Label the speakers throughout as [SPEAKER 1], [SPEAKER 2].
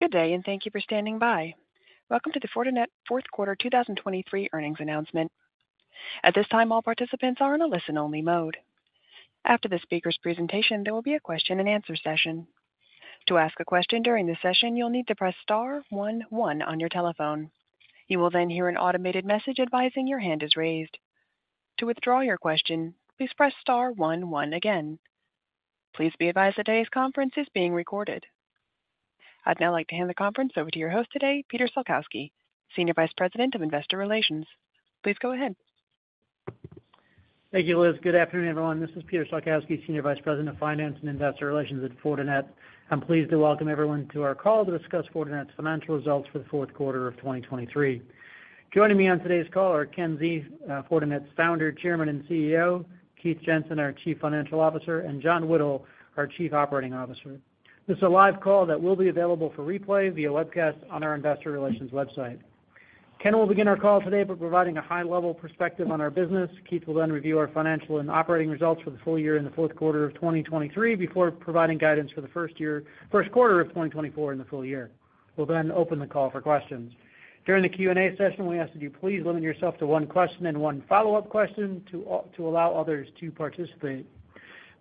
[SPEAKER 1] Good day, and thank you for standing by. Welcome to the Fortinet fourth quarter 2023 earnings announcement. At this time, all participants are in a listen-only mode. After the speaker's presentation, there will be a question-and-answer session. To ask a question during the session, you'll need to press star one one on your telephone. You will then hear an automated message advising your hand is raised. To withdraw your question, please press star one one again. Please be advised that today's conference is being recorded. I'd now like to hand the conference over to your host today, Peter Salkowski, Senior Vice President of Investor Relations. Please go ahead.
[SPEAKER 2] Thank you, Liz. Good afternoon, everyone. This is Peter Salkowski, Senior Vice President of Finance and Investor Relations at Fortinet. I'm pleased to welcome everyone to our call to discuss Fortinet's financial results for the fourth quarter of 2023. Joining me on today's call are Ken Xie, Fortinet's Founder, Chairman, and CEO, Keith Jensen, our Chief Financial Officer, and John Whittle, our Chief Operating Officer. This is a live call that will be available for replay via webcast on our investor relations website. Ken will begin our call today by providing a high-level perspective on our business. Keith will then review our financial and operating results for the full year in the fourth quarter of 2023, before providing guidance for the first year, first quarter of 2024 in the full year. We'll then open the call for questions. During the Q&A session, we ask that you please limit yourself to one question and one follow-up question to allow others to participate.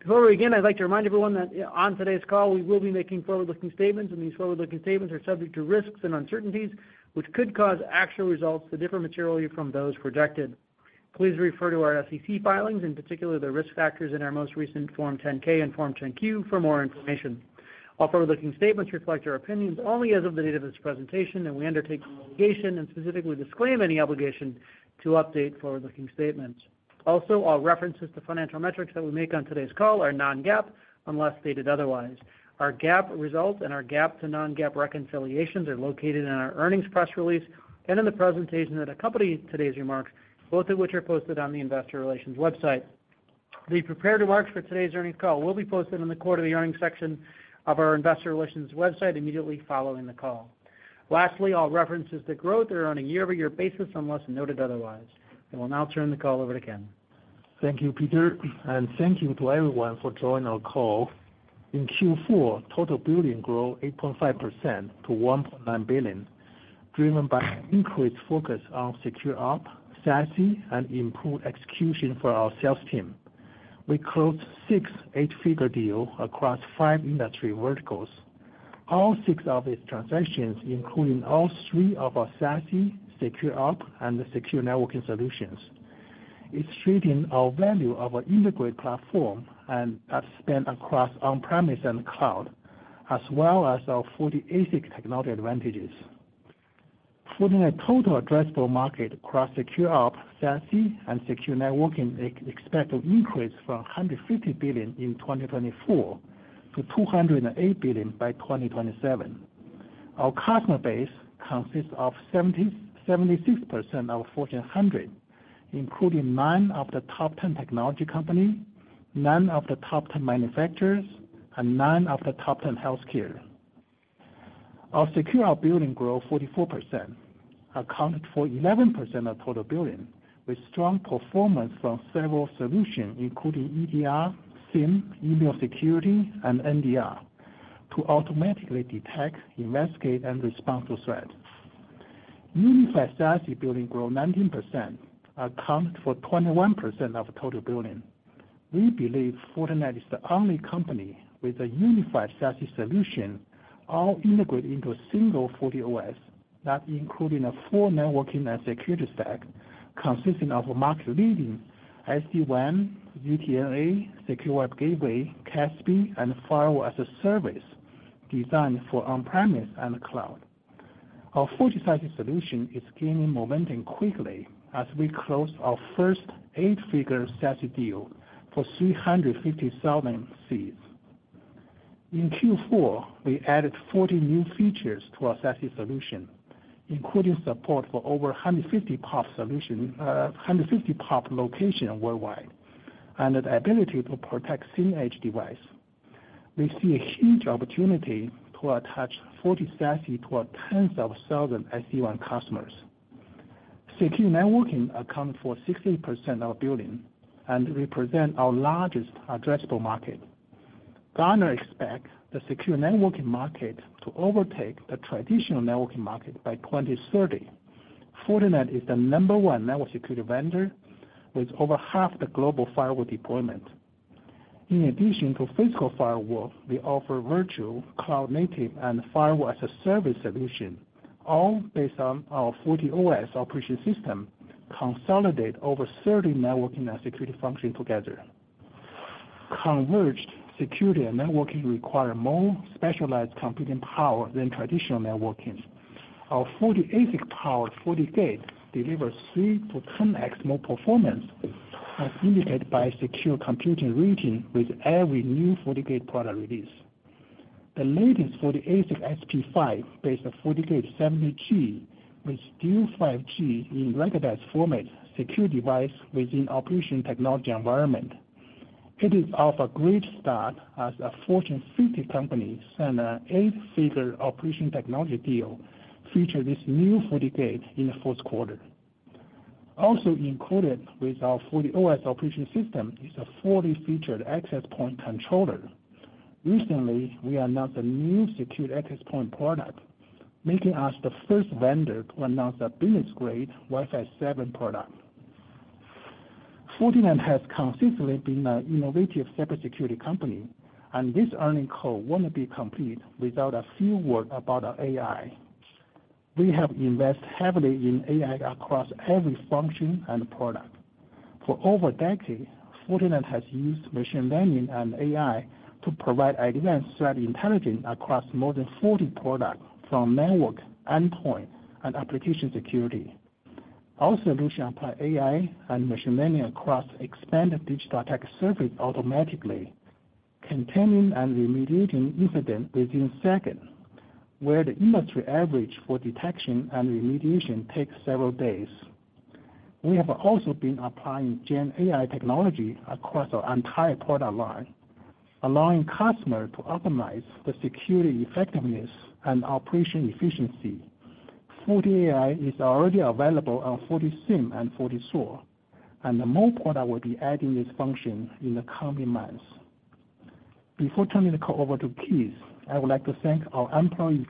[SPEAKER 2] Before we begin, I'd like to remind everyone that on today's call, we will be making forward-looking statements, and these forward-looking statements are subject to risks and uncertainties, which could cause actual results to differ materially from those projected. Please refer to our SEC filings, in particular, the risk factors in our most recent Form 10-K and Form 10-Q for more information. All forward-looking statements reflect our opinions only as of the date of this presentation, and we undertake no obligation and specifically disclaim any obligation to update forward-looking statements. Also, all references to financial metrics that we make on today's call are non-GAAP, unless stated otherwise. Our GAAP results and our GAAP to non-GAAP reconciliations are located in our earnings press release and in the presentation that accompany today's remarks, both of which are posted on the investor relations website. The prepared remarks for today's earnings call will be posted on the quarterly earnings section of our investor relations website immediately following the call. Lastly, all references to growth are on a year-over-year basis, unless noted otherwise. I will now turn the call over to Ken.
[SPEAKER 3] Thank you, Peter, and thank you to everyone for joining our call. In Q4, total billing grew 8.5% to $1.9 billion, driven by increased focus on SecOps, SASE, and improved execution for our sales team. We closed six eight-figure deals across five industry verticals. All six of these transactions, including all three of our SASE, SecOps, and the secure networking solutions, illustrating our value of our integrated platform and our spend across on-premise and cloud, as well as our FortiASIC technology advantages. Fortinet total addressable market across SecOps, SASE, and secure networking, expected to increase from $150 billion in 2024 to $208 billion by 2027. Our customer base consists of 70 to 76% of Fortune 100, including 9 of the top 10 technology company, 9 of the top 10 manufacturers, and 9 of the top 10 healthcare. Our security business grew 44%, accounted for 11% of total billing, with strong performance from several solutions, including EDR, SIEM, email security, and NDR, to automatically detect, investigate, and respond to threats. Unified SASE business grew 19%, accounted for 21% of total billing. We believe Fortinet is the only company with a unified SASE solution, all integrated into a single FortiOS, that including a full networking and security stack consisting of market-leading SD-WAN, UTM, Secure Web Gateway, CASB, and Firewall as a Service, designed for on-premise and cloud. Our FortiSASE solution is gaining momentum quickly as we close our first eight-figure SASE deal for 350,000 seats. In Q4, we added 40 new features to our SASE solution, including support for over 150 POP locations worldwide, and the ability to protect CPE edge devices. We see a huge opportunity to attach FortiSASE to tens of thousands SD-WAN customers. Secure networking accounts for 60% of our billing and represents our largest addressable market. Gartner expects the secure networking market to overtake the traditional networking market by 2030. Fortinet is the number one network security vendor with over half the global firewall deployments. In addition to physical firewalls, we offer virtual, cloud-native, and firewall as a service solutions, all based on our FortiOS operating system, consolidate over 30 networking and security functions together. Converged security and networking require more specialized computing power than traditional networking. Our FortiASIC-powered FortiGate delivers 3 to 10x more performance, as indicated by Security Compute Rating with every new FortiGate product release. The latest FortiASIC SP5-based FortiGate 70G, with dual 5G in rugged format, secures devices within operational technology environment. It is off to a great start as a Fortune 50 company and an eight-figure operational technology deal featured this new FortiGate in the fourth quarter. Also included with our FortiOS operating system is a fully featured access point controller. Recently, we announced a new secure access point product, making us the first vendor to announce a business-grade Wi-Fi 7 product. Fortinet has consistently been an innovative cybersecurity company, and this earnings call wouldn't be complete without a few words about our AI. We have invested heavily in AI across every function and product. For over a decade, Fortinet has used machine learning and AI to provide advanced threat intelligence across more than 40 products from network, endpoint, and application security. Our solutions apply AI and machine learning across expanded digital attack surface automatically, containing and remediating incidents within seconds, where the industry average for detection and remediation takes several days. We have also been applying GenAI technology across our entire product line, allowing customers to optimize the security effectiveness and operational efficiency. FortiAI is already available on FortiSIEM and FortiSOAR, and more products will be adding this function in the coming months. Before turning the call over to Keith, I would like to thank our employees,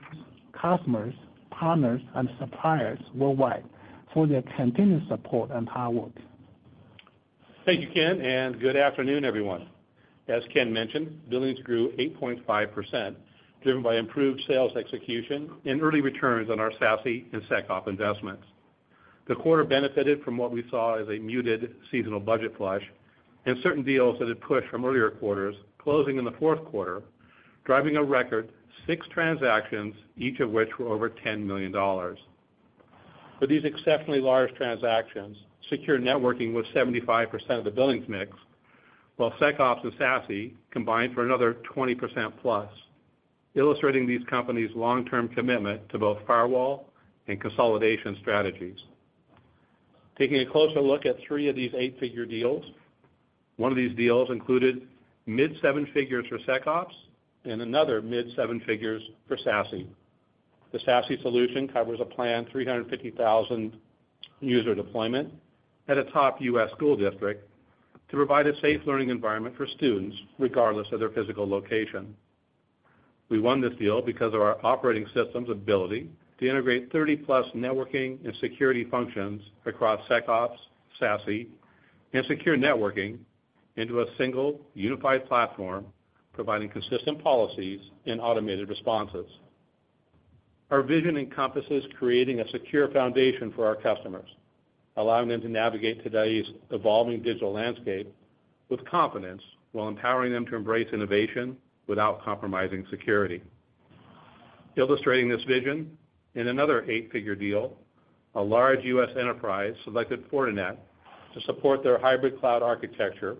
[SPEAKER 3] customers, partners, and suppliers worldwide for their continuous support and hard work.
[SPEAKER 4] Thank you, Ken, and good afternoon, everyone. As Ken mentioned, billings grew 8.5%, driven by improved sales execution and early returns on our SASE and SecOps investments. The quarter benefited from what we saw as a muted seasonal budget flush and certain deals that had pushed from earlier quarters closing in the fourth quarter, driving a record six transactions, each of which were over $10 million. For these exceptionally large transactions, secure networking was 75% of the billings mix, while SecOps and SASE combined for another 20% plus, illustrating these companies' long-term commitment to both firewall and consolidation strategies. Taking a closer look at three of these eight-figure deals, one of these deals included mid-seven figures for SecOps and another mid-seven figures for SASE. The SASE solution covers a planned 350,000 user deployment at a top U.S. school district to provide a safe learning environment for students, regardless of their physical location. We won this deal because of our operating system's ability to integrate 30+ networking and security functions across SecOps, SASE, and secure networking into a single unified platform, providing consistent policies and automated responses. Our vision encompasses creating a secure foundation for our customers, allowing them to navigate today's evolving digital landscape with confidence while empowering them to embrace innovation without compromising security. Illustrating this vision, in another eight-figure deal, a large U.S. enterprise selected Fortinet to support their hybrid cloud architecture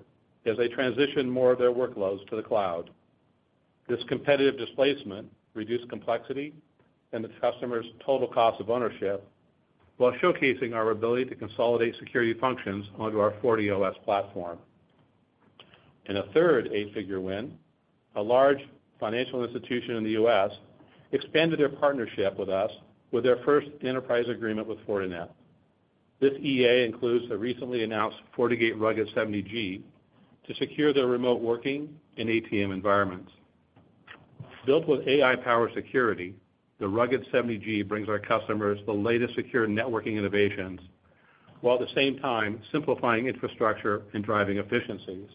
[SPEAKER 4] as they transition more of their workloads to the cloud. This competitive displacement reduced complexity and the customer's total cost of ownership, while showcasing our ability to consolidate security functions onto our FortiOS platform. In a third eight-figure win, a large financial institution in the U.S. expanded their partnership with us with their first enterprise agreement with Fortinet. This EA includes the recently announced FortiGate Rugged 70G to secure their remote working and ATM environments. Built with AI-powered security, the Rugged 70G brings our customers the latest secure networking innovations, while at the same time simplifying infrastructure and driving efficiencies.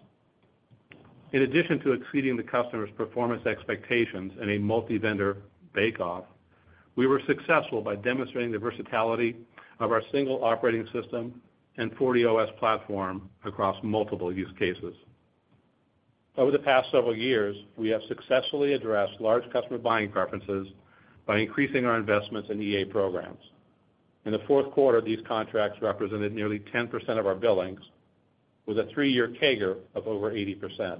[SPEAKER 4] In addition to exceeding the customer's performance expectations in a multi-vendor bake-off, we were successful by demonstrating the versatility of our single operating system and FortiOS platform across multiple use cases. Over the past several years, we have successfully addressed large customer buying preferences by increasing our investments in EA programs. In the fourth quarter, these contracts represented nearly 10% of our billings, with a three-year CAGR of over 80%.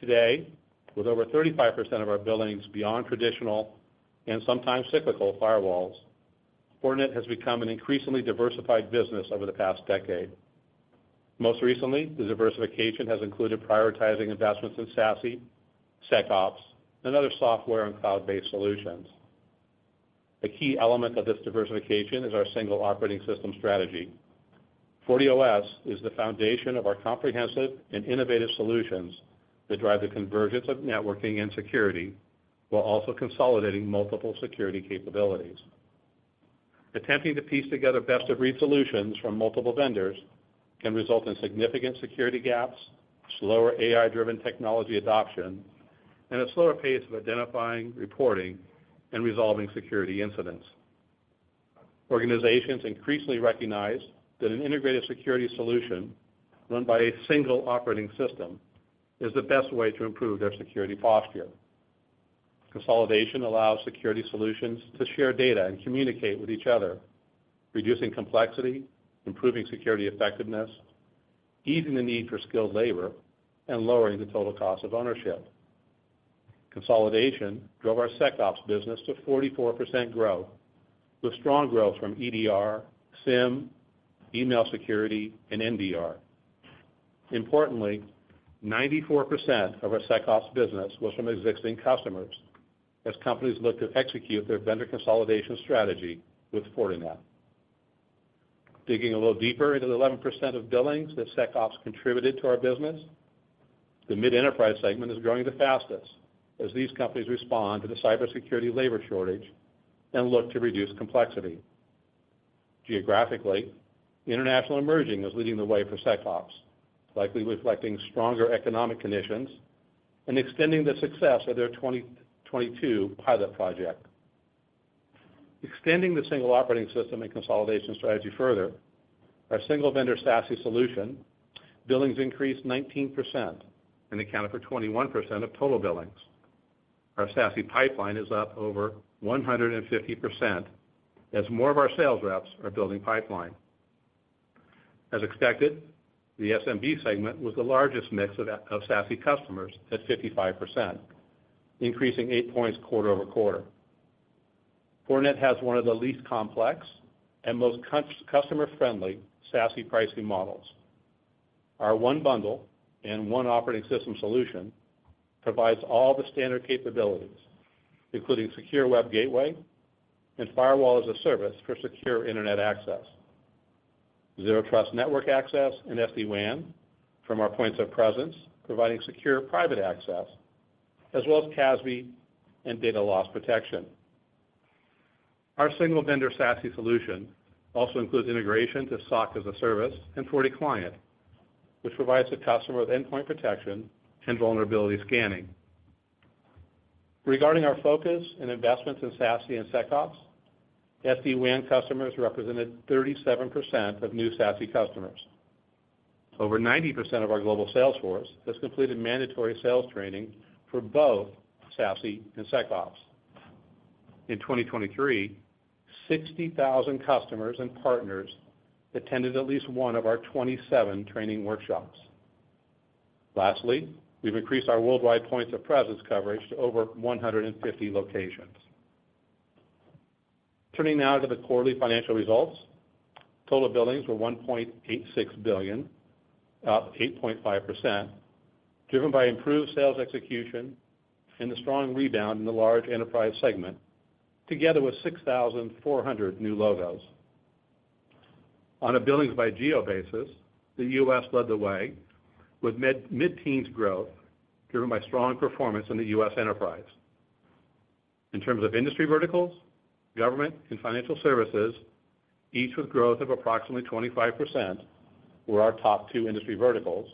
[SPEAKER 4] Today, with over 35% of our billings beyond traditional and sometimes cyclical firewalls, Fortinet has become an increasingly diversified business over the past decade. Most recently, the diversification has included prioritizing investments in SASE, SecOps, and other software and cloud-based solutions. A key element of this diversification is our single operating system strategy. FortiOS is the foundation of our comprehensive and innovative solutions that drive the convergence of networking and security while also consolidating multiple security capabilities. Attempting to piece together best-of-breed solutions from multiple vendors can result in significant security gaps, slower AI-driven technology adoption, and a slower pace of identifying, reporting, and resolving security incidents. Organizations increasingly recognize that an integrated security solution run by a single operating system is the best way to improve their security posture. Consolidation allows security solutions to share data and communicate with each other, reducing complexity, improving security effectiveness, easing the need for skilled labor, and lowering the total cost of ownership. Consolidation drove our SecOps business to 44% growth, with strong growth from EDR, SIEM, email security, and NDR. Importantly, 94% of our SecOps business was from existing customers, as companies look to execute their vendor consolidation strategy with Fortinet. Digging a little deeper into the 11% of billings that SecOps contributed to our business, the mid-enterprise segment is growing the fastest as these companies respond to the cybersecurity labor shortage and look to reduce complexity. Geographically, international emerging is leading the way for SecOps, likely reflecting stronger economic conditions and extending the success of their 2022 pilot project. Extending the single operating system and consolidation strategy further, our single vendor SASE solution billings increased 19% and accounted for 21% of total billings. Our SASE pipeline is up over 150% as more of our sales reps are building pipeline. As expected, the SMB segment was the largest mix of SASE customers at 55%, increasing 8 points quarter-over-quarter. Fortinet has one of the least complex and most customer-friendly SASE pricing models. Our one bundle and one operating system solution provides all the standard capabilities, including secure web gateway and firewall as a service for secure internet access, zero trust network access, and SD-WAN from our points of presence, providing secure private access, as well as CASB and data loss protection. Our single vendor SASE solution also includes integration to SOC as a service and FortiClient, which provides the customer with endpoint protection and vulnerability scanning. Regarding our focus and investments in SASE and SecOps, SD-WAN customers represented 37% of new SASE customers. Over 90% of our global sales force has completed mandatory sales training for both SASE and SecOps. In 2023, 60,000 customers and partners attended at least one of our 27 training workshops. Lastly, we've increased our worldwide points of presence coverage to over 150 locations. Turning now to the quarterly financial results. Total billings were $1.86 billion, up 8.5%, driven by improved sales execution and the strong rebound in the large enterprise segment, together with 6,400 new logos. On a billings by geo basis, the U.S. led the way with mid-teens growth, driven by strong performance in the U.S. enterprise. In terms of industry verticals, government and financial services, each with growth of approximately 25%, were our top two industry verticals,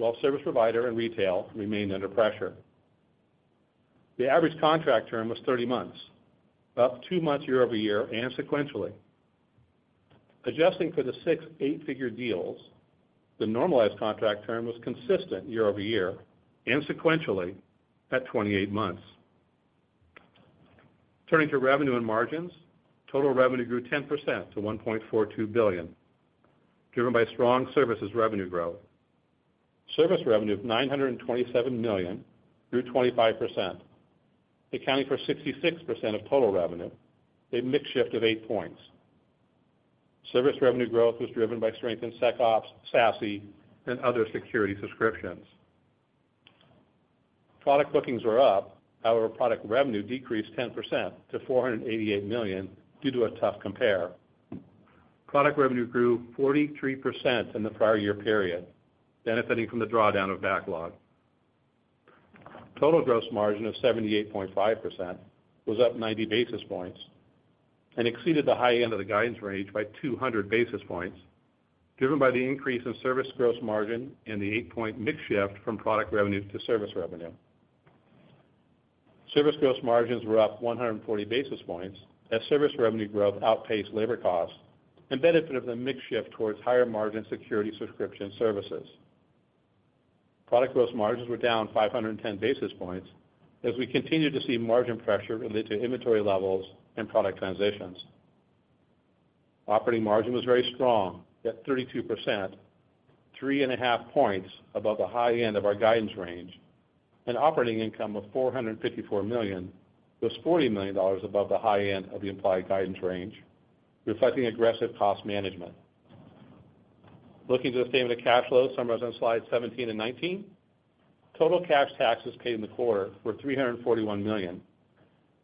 [SPEAKER 4] while service provider and retail remained under pressure. The average contract term was 30 months, up 2 months year-over-year and sequentially. Adjusting for the 6 eight-figure deals, the normalized contract term was consistent year-over-year and sequentially at 28 months. Turning to revenue and margins. Total revenue grew 10% to $1.42 billion, driven by strong services revenue growth. Service revenue of $927 million grew 25%, accounting for 66% of total revenue, a mix shift of 8 points. Service revenue growth was driven by strength in SecOps, SASE, and other security subscriptions. Product bookings were up. However, product revenue decreased 10% to $488 million due to a tough compare. Product revenue grew 43% in the prior year period, benefiting from the drawdown of backlog. Total gross margin of 78.5% was up 90 basis points and exceeded the high end of the guidance range by 200 basis points, driven by the increase in service gross margin and the 8-point mix shift from product revenue to service revenue. Service gross margins were up 140 basis points, as service revenue growth outpaced labor costs and benefit of the mix shift towards higher-margin security subscription services. Product gross margins were down 510 basis points as we continued to see margin pressure related to inventory levels and product transitions. Operating margin was very strong at 32%, 3.5 points above the high end of our guidance range, and operating income of $454 million was $40 million above the high end of the implied guidance range, reflecting aggressive cost management. Looking to the statement of cash flows, summaries on slide 17 and 19. Total cash taxes paid in the quarter were $341 million,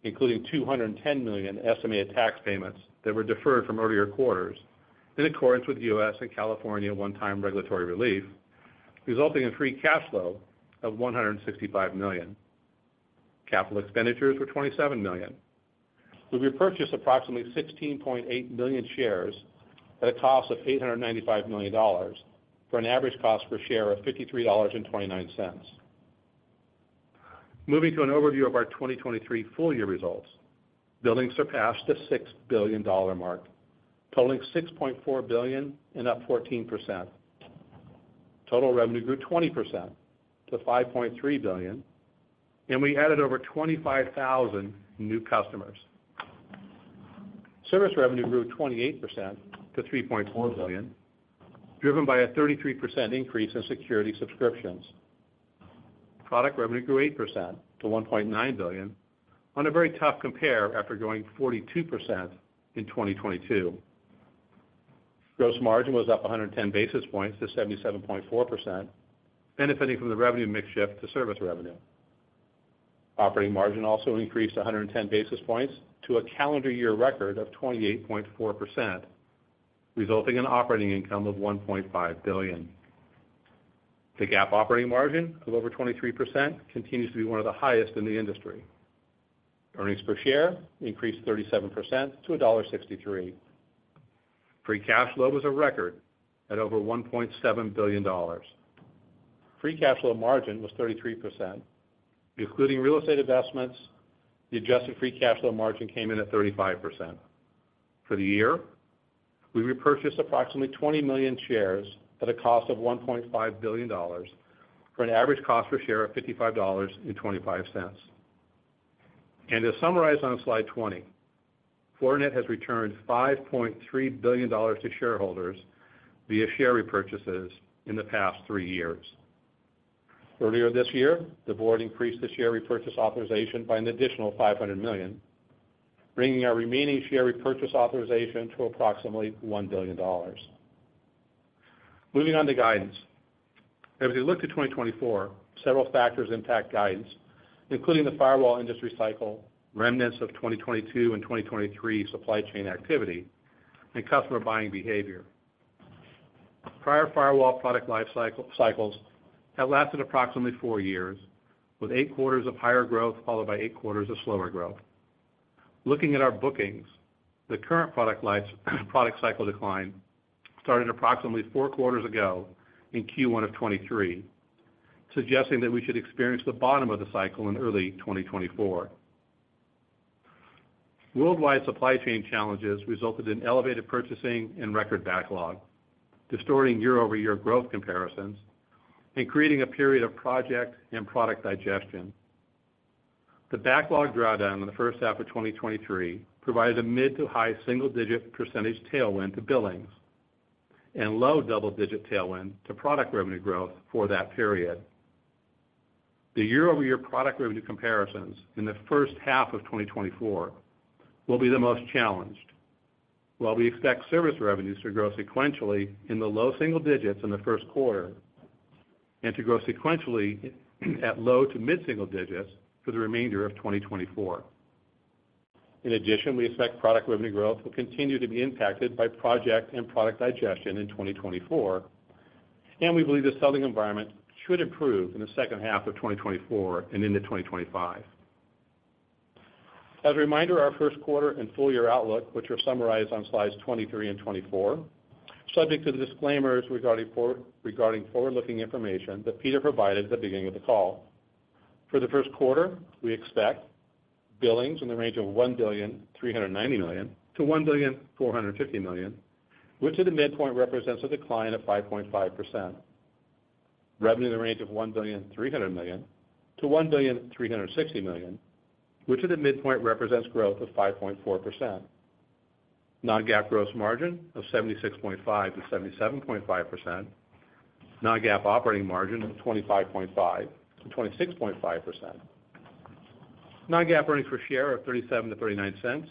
[SPEAKER 4] including $210 million estimated tax payments that were deferred from earlier quarters, in accordance with U.S. and California one-time regulatory relief, resulting in free cash flow of $165 million. Capital expenditures were $27 million. We repurchased approximately 16.8 million shares at a cost of $895 million, for an average cost per share of $53.29. Moving to an overview of our 2023 full year results. Billings surpassed the $6 billion mark, totaling $6.4 billion and up 14%. Total revenue grew 20% to $5.3 billion, and we added over 25,000 new customers. Service revenue grew 28% to $3.4 billion, driven by a 33% increase in security subscriptions.... Product revenue grew 8% to $1.9 billion on a very tough compare after growing 42% in 2022. Gross margin was up 110 basis points to 77.4%, benefiting from the revenue mix shift to service revenue. Operating margin also increased 110 basis points to a calendar year record of 28.4%, resulting in operating income of $1.5 billion. The GAAP operating margin of over 23% continues to be one of the highest in the industry. Earnings per share increased 37% to $1.63. Free cash flow was a record at over $1.7 billion. Free cash flow margin was 33%, including real estate investments, the adjusted free cash flow margin came in at 35%. For the year, we repurchased approximately 20 million shares at a cost of $1.5 billion, for an average cost per share of $55.25. And to summarize on slide 20, Fortinet has returned $5.3 billion to shareholders via share repurchases in the past three years. Earlier this year, the board increased the share repurchase authorization by an additional $500 million, bringing our remaining share repurchase authorization to approximately $1 billion. Moving on to guidance. As we look to 2024, several factors impact guidance, including the firewall industry cycle, remnants of 2022 and 2023 supply chain activity, and customer buying behavior. Prior firewall product life cycle, cycles have lasted approximately 4 years, with 8 quarters of higher growth, followed by 8 quarters of slower growth. Looking at our bookings, the current product life product cycle decline started approximately 4 quarters ago in Q1 of 2023, suggesting that we should experience the bottom of the cycle in early 2024. Worldwide supply chain challenges resulted in elevated purchasing and record backlog, distorting year-over-year growth comparisons and creating a period of project and product digestion. The backlog drawdown in the first half of 2023 provided a mid- to high single-digit % tailwind to billings and low double-digit tailwind to product revenue growth for that period. The year-over-year product revenue comparisons in the first half of 2024 will be the most challenged, while we expect service revenues to grow sequentially in the low single digits in the first quarter, and to grow sequentially at low to mid single digits for the remainder of 2024. In addition, we expect product revenue growth will continue to be impacted by project and product digestion in 2024, and we believe the selling environment should improve in the second half of 2024 and into 2025. As a reminder, our first quarter and full year outlook, which are summarized on slides 23 and 24, subject to the disclaimers regarding forward-looking information that Peter provided at the beginning of the call. For the first quarter, we expect billings in the range of $1.39 billion to $1.45 billion, which at the midpoint represents a decline of 5.5%. Revenue in the range of $1.3 billion to $1.36 billion, which at the midpoint represents growth of 5.4%. Non-GAAP gross margin of 76.5% to 77.5%. Non-GAAP operating margin of 25.5% to 26.5%. Non-GAAP earnings per share of $0.37 to $0.39,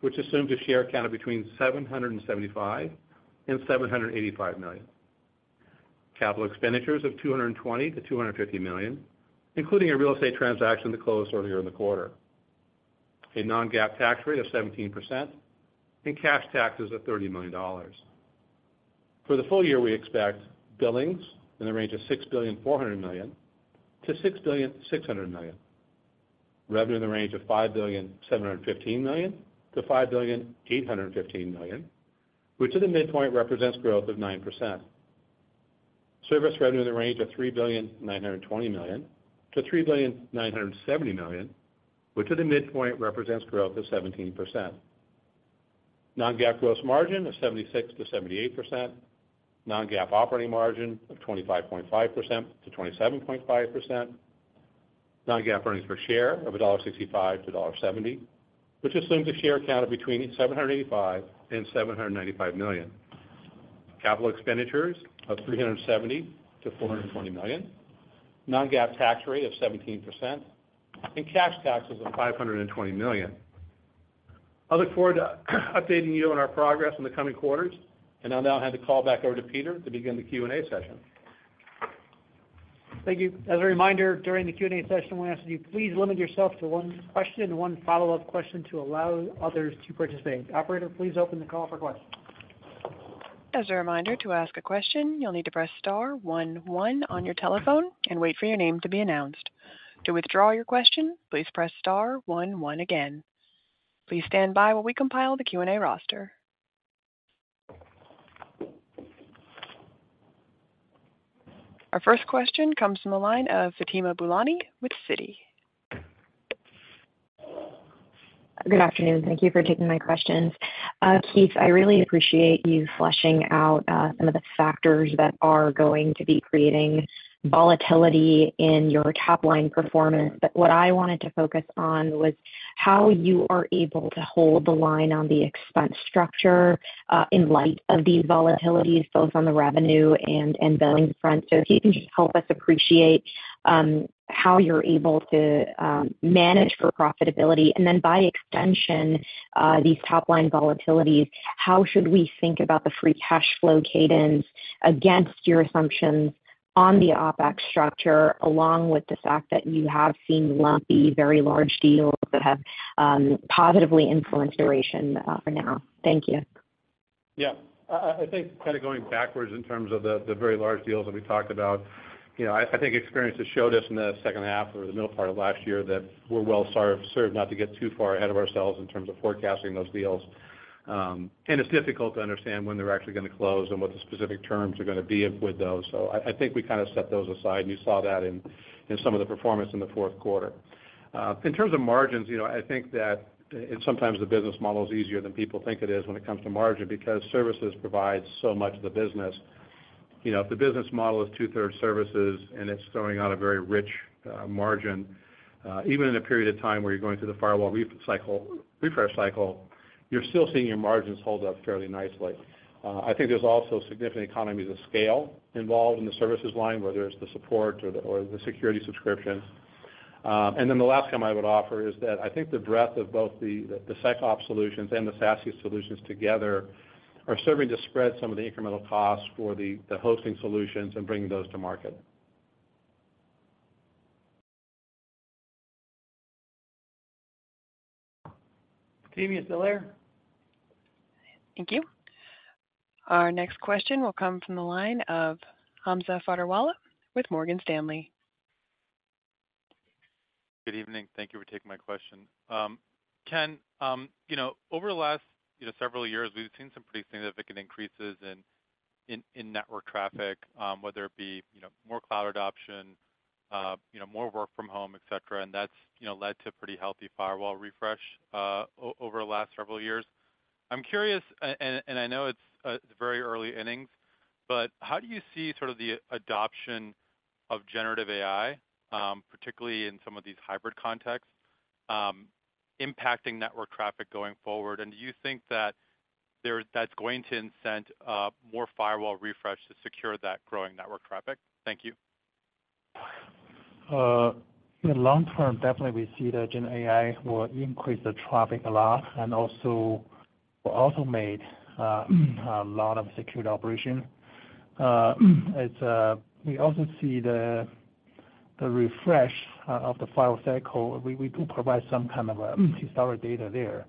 [SPEAKER 4] which assumes a share count of between 775 and 785 million. Capital expenditures of $220 million to $250 million, including a real estate transaction that closed earlier in the quarter. A non-GAAP tax rate of 17% and cash taxes of $30 million. For the full year, we expect billings in the range of $6.4 billion to $6.6 billion. Revenue in the range of $5.715 billion to $5.815 billion, which at the midpoint represents growth of 9%. Service revenue in the range of $3.92 billion to $3.97 billion, which at the midpoint represents growth of 17%. Non-GAAP gross margin of 76% to 78%. Non-GAAP operating margin of 25.5% to 27.5%. Non-GAAP earnings per share of $1.65 to $1.70, which assumes a share count of between 785 million and 795 million. Capital expenditures of $370 million to $420 million. Non-GAAP tax rate of 17% and cash taxes of $520 million. I look forward to updating you on our progress in the coming quarters, and I'll now hand the call back over to Peter to begin the Q&A session.
[SPEAKER 2] Thank you. As a reminder, during the Q&A session, we ask that you please limit yourself to one question and one follow-up question to allow others to participate. Operator, please open the call for questions.
[SPEAKER 1] As a reminder, to ask a question, you'll need to press star one one on your telephone and wait for your name to be announced. To withdraw your question, please press star one one again. Please stand by while we compile the Q&A roster. Our first question comes from the line of Fatima Boolani with Citi.
[SPEAKER 5] Good afternoon. Thank you for taking my questions... Keith, I really appreciate you fleshing out some of the factors that are going to be creating volatility in your top-line performance. But what I wanted to focus on was how you are able to hold the line on the expense structure in light of these volatilities, both on the revenue and billing front. So if you can just help us appreciate how you're able to manage for profitability, and then by extension these top-line volatilities, how should we think about the free cash flow cadence against your assumptions on the OpEx structure, along with the fact that you have seen lumpy, very large deals that have positively influenced duration for now? Thank you.
[SPEAKER 4] Yeah. I think kind of going backwards in terms of the very large deals that we talked about, you know, I think experience has showed us in the second half or the middle part of last year, that we're well served not to get too far ahead of ourselves in terms of forecasting those deals. And it's difficult to understand when they're actually going to close and what the specific terms are going to be with those. So I think we kind of set those aside, and you saw that in some of the performance in the fourth quarter. In terms of margins, you know, I think that, and sometimes the business model is easier than people think it is when it comes to margin, because services provide so much of the business. You know, if the business model is two-thirds services and it's throwing out a very rich margin, even in a period of time where you're going through the firewall refresh cycle, you're still seeing your margins hold up fairly nicely. I think there's also significant economies of scale involved in the services line, whether it's the support or the security subscriptions. And then the last time I would offer is that I think the breadth of both the SecOps solutions and the SASE solutions together are serving to spread some of the incremental costs for the hosting solutions and bringing those to market.
[SPEAKER 2] Amy, you still there?
[SPEAKER 1] Thank you. Our next question will come from the line of Hamza Fodderwala with Morgan Stanley.
[SPEAKER 6] Good evening. Thank you for taking my question. Ken, you know, over the last, you know, several years, we've seen some pretty significant increases in network traffic, whether it be, you know, more cloud adoption, you know, more work from home, et cetera, and that's, you know, led to pretty healthy firewall refresh over the last several years. I'm curious, and I know it's very early innings, but how do you see sort of the adoption of generative AI, particularly in some of these hybrid contexts, impacting network traffic going forward? And do you think that that's going to incent more firewall refresh to secure that growing network traffic? Thank you.
[SPEAKER 3] In the long term, definitely we see the GenAI will increase the traffic a lot and also will automate a lot of security operation. It is we also see the refresh of the firewall cycle. We do provide some kind of a historic data there,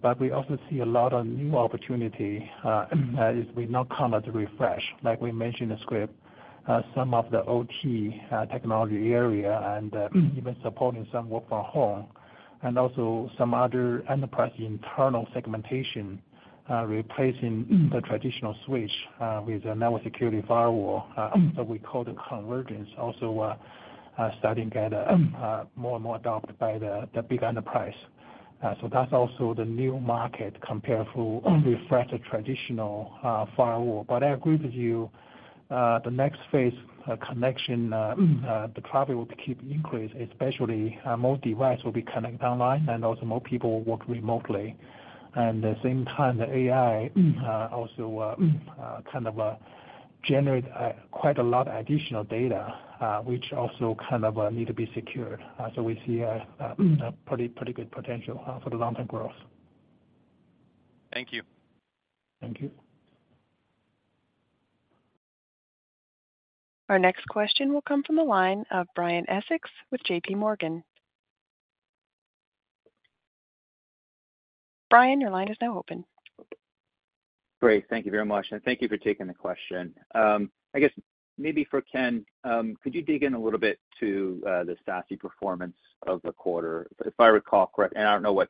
[SPEAKER 3] but we also see a lot of new opportunity as we now come at the refresh. Like we mentioned in the script, some of the OT technology area and even supporting some work from home, and also some other enterprise internal segmentation replacing the traditional switch with a network security firewall that we call the convergence, also starting to get more and more adopted by the big enterprise. So that's also the new market compared to refresh the traditional firewall. But I agree with you, the next phase connection, the traffic will keep increasing, especially more device will be connected online and also more people work remotely. And the same time, the AI also kind of generate quite a lot additional data, which also kind of need to be secured. So we see a pretty good potential for the long-term growth.
[SPEAKER 6] Thank you.
[SPEAKER 3] Thank you.
[SPEAKER 1] Our next question will come from the line of Brian Essex with JP Morgan. Brian, your line is now open.
[SPEAKER 7] Great. Thank you very much, and thank you for taking the question. I guess maybe for Ken, could you dig in a little bit to the SASE performance of the quarter? If I recall correct, and I don't know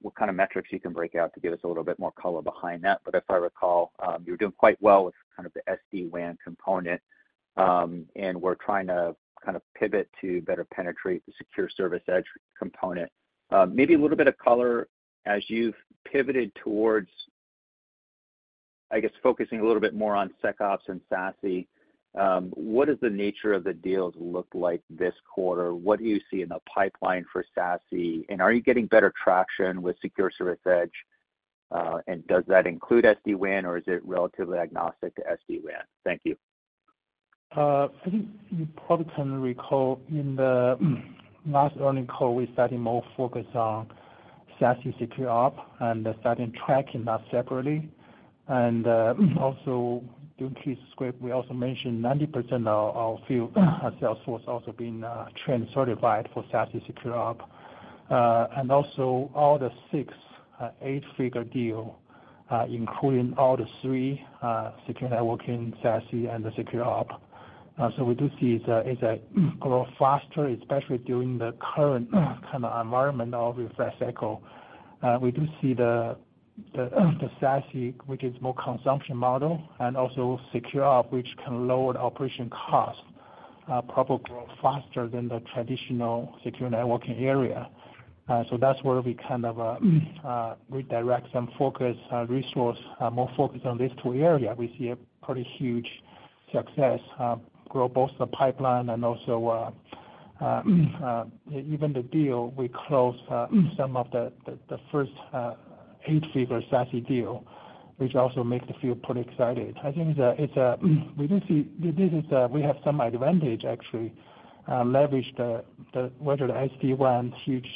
[SPEAKER 7] what kind of metrics you can break out to give us a little bit more color behind that, but if I recall, you're doing quite well with kind of the SD-WAN component, and we're trying to kind of pivot to better penetrate the secure service edge component. Maybe a little bit of color as you've pivoted towards, I guess, focusing a little bit more on SecOps and SASE, what does the nature of the deals look like this quarter? What do you see in the pipeline for SASE, and are you getting better traction with Secure Service Edge, and does that include SD-WAN or is it relatively agnostic to SD-WAN? Thank you.
[SPEAKER 3] I think you probably can recall in the last earnings call, we started more focused on SASE, SecOps and starting tracking that separately. And also, during Keith's script, we also mentioned 90% of our field sales force also being trained certified for SASE, SecOps. And also all six eight-figure deals, including all three secure networking, SASE and the SecOps. So we do see it, it's grow faster, especially during the current kind of environment of refresh cycle. We do see the SASE, which is more consumption model and also SecOps, which can lower the operational costs, probably grow faster than the traditional secure networking area. So that's where we kind of redirect some focus, resources, more focus on these two areas. We see a pretty huge success, grow both the pipeline and also, even the deal. We close some of the first 8-figure SASE deal, which also makes us feel pretty excited. I think that it's a, we do see, this is a—we have some advantage actually, leverage the, the, whether the SD-WAN huge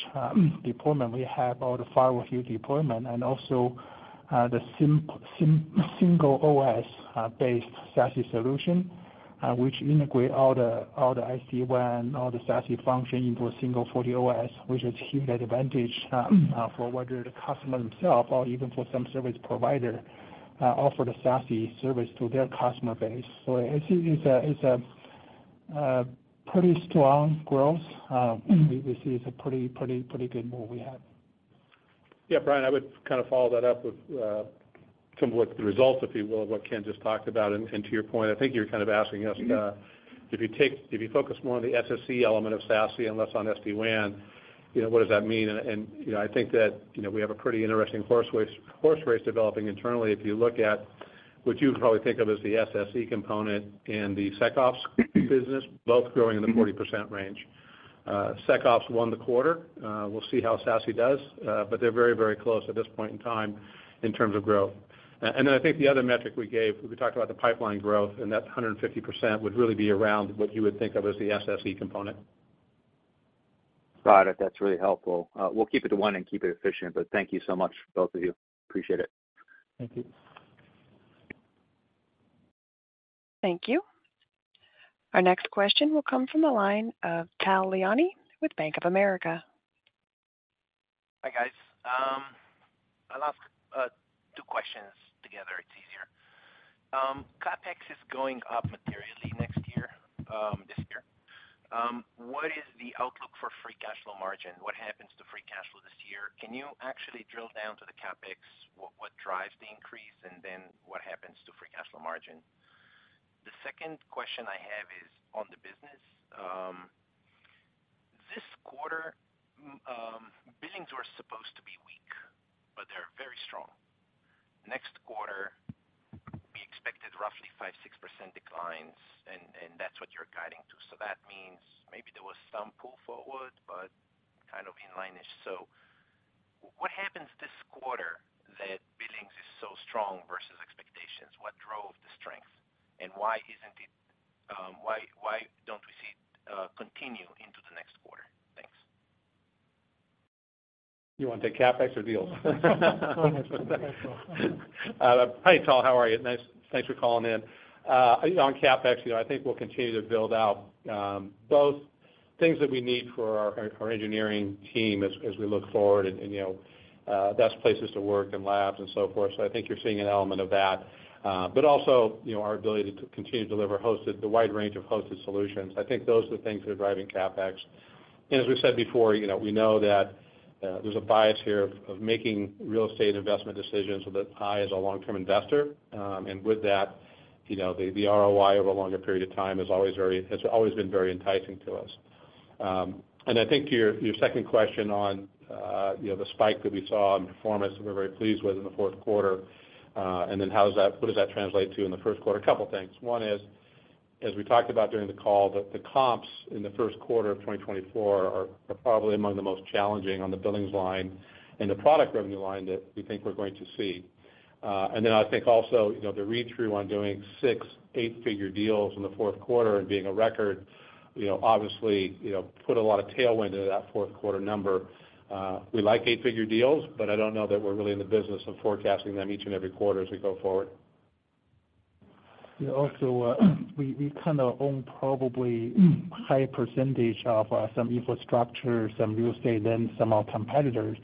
[SPEAKER 3] deployment, we have all the firewall huge deployment and also, the single OS-based SASE solution, which integrate all the, all the SD-WAN, all the SASE function into a single FortiOS, which is huge advantage, for whether the customer themselves or even for some service provider, offer the SASE service to their customer base. So I see it's a, it's a, pretty strong growth. We see it's a pretty, pretty, pretty good move we have.
[SPEAKER 4] Yeah, Brian, I would kind of follow that up with some of what the results, if you will, of what Ken just talked about. And, to your point, I think you're kind of asking us if you take- if you focus more on the SSE element of SASE and less on SD-WAN, you know, what does that mean? And, you know, I think that, you know, we have a pretty interesting horse race, horse race developing internally. If you look at what you would probably think of as the SSE component and the SecOps business, both growing in the 40% range. SecOps won the quarter. We'll see how SASE does, but they're very, very close at this point in time in terms of growth. Then I think the other metric we gave, we talked about the pipeline growth, and that 150% would really be around what you would think of as the SSE component.
[SPEAKER 7] Got it. That's really helpful. We'll keep it to one and keep it efficient, but thank you so much, both of you. Appreciate it.
[SPEAKER 3] Thank you.
[SPEAKER 1] Thank you. Our next question will come from the line of Tal Liani with Bank of America.
[SPEAKER 8] Hi, guys. I'll ask 2 questions together; it's easier. CapEx is going up materially next year, this year. What is the outlook for free cash flow margin? What happens to free cash flow this year? Can you actually drill down to the CapEx? What, what drives the increase, and then what happens to free cash flow margin? The second question I have is on the business. This quarter, billings were supposed to be weak, but they're very strong. Next quarter, we expected roughly 5% to 6% declines, and that's what you're guiding to. So that means maybe there was some pull forward, but kind of in line-ish. So what happens this quarter that billings is so strong versus expectations? What drove the strength, and why isn't it, why, why don't we see it continue into the next quarter? Thanks.
[SPEAKER 4] You want to take CapEx or deals?
[SPEAKER 3] Go ahead.
[SPEAKER 4] Hi, Tal. How are you? Nice... Thanks for calling in. On CapEx, you know, I think we'll continue to build out both things that we need for our engineering team as we look forward and, you know, best places to work and labs and so forth. So I think you're seeing an element of that, but also, you know, our ability to continue to deliver the wide range of hosted solutions. I think those are the things that are driving CapEx. And as we've said before, you know, we know that there's a bias here of making real estate investment decisions with IT as a long-term investor. And with that, you know, the ROI over a longer period of time is always very—has always been very enticing to us. And I think to your second question on, you know, the spike that we saw in performance that we're very pleased with in the fourth quarter, and then how does that, what does that translate to in the first quarter? A couple things. One is, as we talked about during the call, that the comps in the first quarter of 2024 are probably among the most challenging on the billings line and the product revenue line that we think we're going to see. And then I think also, you know, the read-through on doing 6-, 8-figure deals in the fourth quarter and being a record, you know, obviously, you know, put a lot of tailwind into that fourth quarter number. We like eight-figure deals, but I don't know that we're really in the business of forecasting them each and every quarter as we go forward.
[SPEAKER 3] Yeah, also, we kind of own probably high percentage of some infrastructure, some real estate than some of our competitors.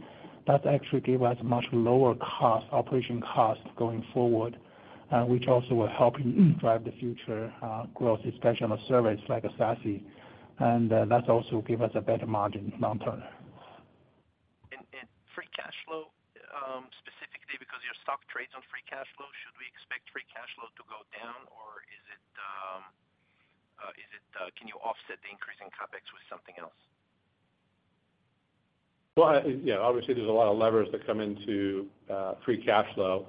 [SPEAKER 3] That actually give us much lower cost, operation costs going forward, which also will help drive the future growth, especially on a service like a SASE. And, that also give us a better margin long term.
[SPEAKER 8] And free cash flow, specifically because your stock trades on free cash flow, should we expect free cash flow to go down, or can you offset the increase in CapEx with something else?
[SPEAKER 4] Well, yeah, obviously, there's a lot of levers that come into free cash flow.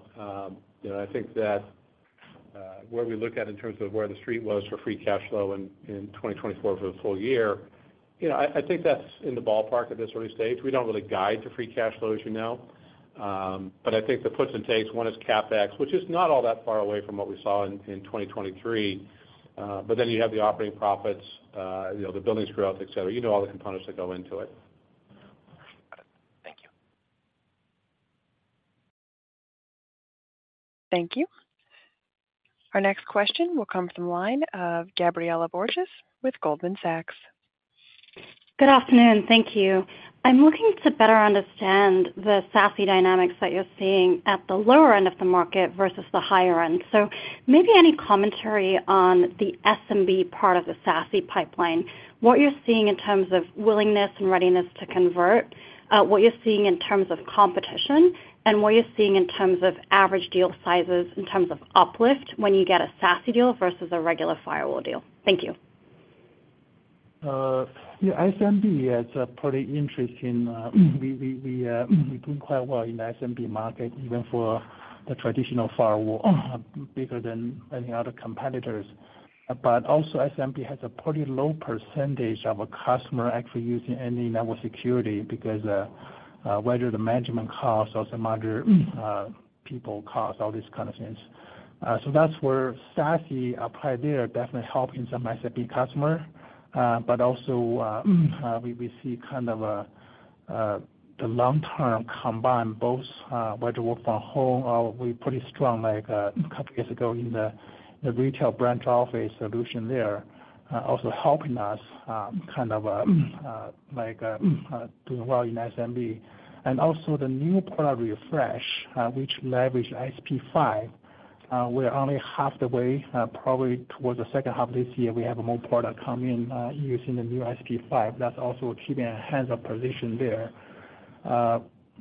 [SPEAKER 4] You know, I think that where we look at in terms of where the street was for free cash flow in 2024 for the full year, you know, I think that's in the ballpark at this early stage. We don't really guide to free cash flow, as you know. But I think the puts and takes, one is CapEx, which is not all that far away from what we saw in 2023. But then you have the operating profits, you know, the billings growth, et cetera. You know, all the components that go into it.
[SPEAKER 8] Thank you.
[SPEAKER 1] Thank you. Our next question will come from the line of Gabriela Borges, with Goldman Sachs.
[SPEAKER 9] Good afternoon. Thank you. I'm looking to better understand the SASE dynamics that you're seeing at the lower end of the market versus the higher end. So maybe any commentary on the SMB part of the SASE pipeline, what you're seeing in terms of willingness and readiness to convert, what you're seeing in terms of competition, and what you're seeing in terms of average deal sizes, in terms of uplift, when you get a SASE deal versus a regular firewall deal? Thank you. ...
[SPEAKER 3] Yeah, SMB is a pretty interesting, we do quite well in the SMB market, even for the traditional firewall, bigger than any other competitors. But also SMB has a pretty low percentage of a customer actually using any network security because, whether the management costs or some other, people cost, all these kind of things. So that's where SASE applied there, definitely helping some SMB customer, but also, we see kind of a, the long term combine both, whether work from home or we're pretty strong, like, a couple years ago in the retail branch office solution there, also helping us, kind of, like, doing well in SMB. And also the new product refresh, which leverage SP5, we're only half the way, probably towards the second half of this year, we have more product coming, using the new SP5. That's also keeping a hands-on position there.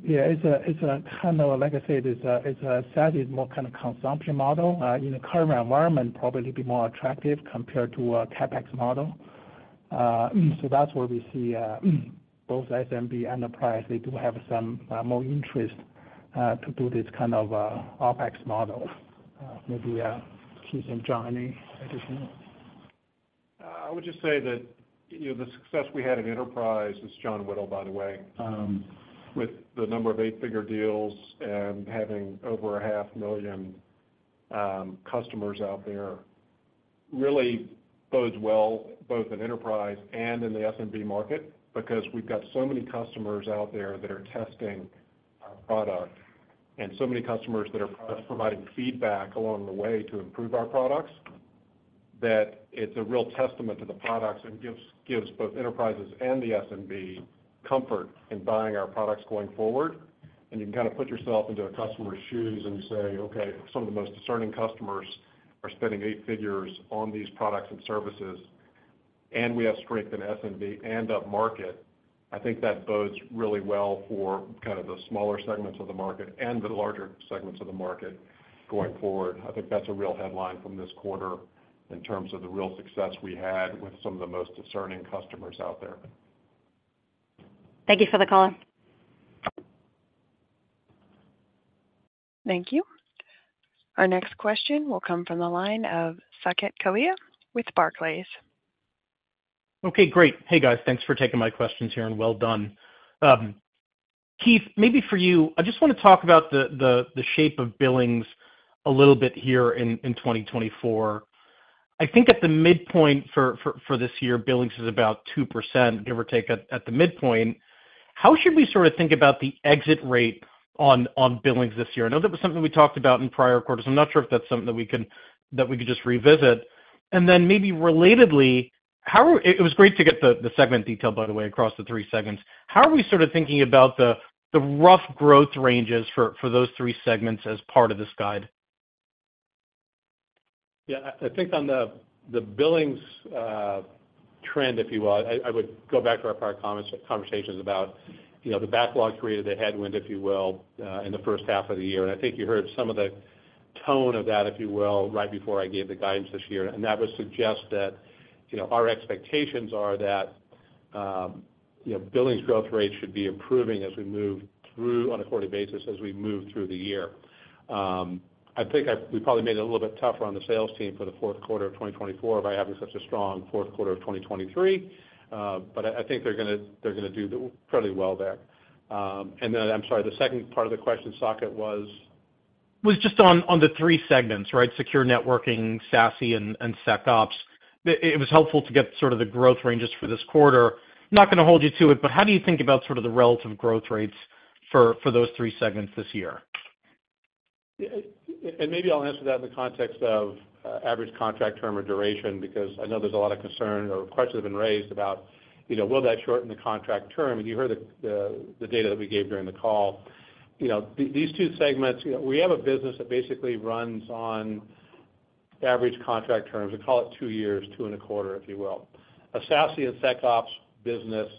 [SPEAKER 3] Yeah, it's a, it's a kind of, like I said, it's a, it's a SASE is more kind of consumption model, in the current environment, probably be more attractive compared to a CapEx model. So that's where we see, both SMB enterprise, they do have some, more interest, to do this kind of, OpEx model. Maybe, Keith and John, any additional?
[SPEAKER 4] I would just say that, you know, the success we had in enterprise, it's John Whittle, by the way, with the number of eight-figure deals and having over 500,000 customers out there, really bodes well, both in enterprise and in the SMB market. Because we've got so many customers out there that are testing our product, and so many customers that are providing feedback along the way to improve our products, that it's a real testament to the products and gives both enterprises and the SMB comfort in buying our products going forward. And you can kind of put yourself into a customer's shoes and say, okay, some of the most discerning customers are spending eight figures on these products and services, and we have strength in SMB and upmarket. I think that bodes really well for kind of the smaller segments of the market and the larger segments of the market going forward. I think that's a real headline from this quarter in terms of the real success we had with some of the most discerning customers out there.
[SPEAKER 9] Thank you for the call.
[SPEAKER 1] Thank you. Our next question will come from the line of Saket Kalia with Barclays.
[SPEAKER 10] Okay, great. Hey, guys, thanks for taking my questions here, and well done. Keith, maybe for you, I just want to talk about the shape of billings a little bit here in 2024. I think at the midpoint for this year, billings is about 2%, give or take, at the midpoint. How should we sort of think about the exit rate on billings this year? I know that was something we talked about in prior quarters. I'm not sure if that's something that we could just revisit. And then maybe relatedly, how are... It was great to get the segment detail, by the way, across the three segments. How are we sort of thinking about the rough growth ranges for those three segments as part of this guide?
[SPEAKER 4] Yeah, I think on the billings trend, if you will, I would go back to our prior comments, conversations about, you know, the backlog created the headwind, if you will, in the first half of the year. And I think you heard some of the tone of that, if you will, right before I gave the guidance this year. And that would suggest that, you know, our expectations are that, you know, billings growth rates should be improving as we move through on a quarterly basis, as we move through the year. I think we probably made it a little bit tougher on the sales team for the fourth quarter of 2024 by having such a strong fourth quarter of 2023. But I think they're gonna, they're gonna do pretty well there. And then I'm sorry, the second part of the question, Saket, was?
[SPEAKER 10] Was just on the three segments, right? Secure networking, SASE and SecOps. It was helpful to get sort of the growth ranges for this quarter. Not going to hold you to it, but how do you think about sort of the relative growth rates for those three segments this year?
[SPEAKER 4] Yeah, and maybe I'll answer that in the context of average contract term or duration, because I know there's a lot of concern or questions have been raised about, you know, will that shorten the contract term? And you heard the data that we gave during the call. You know, these two segments, you know, we have a business that basically runs on average contract terms, we call it 2 years, 2.25, if you will. A SASE and SecOps business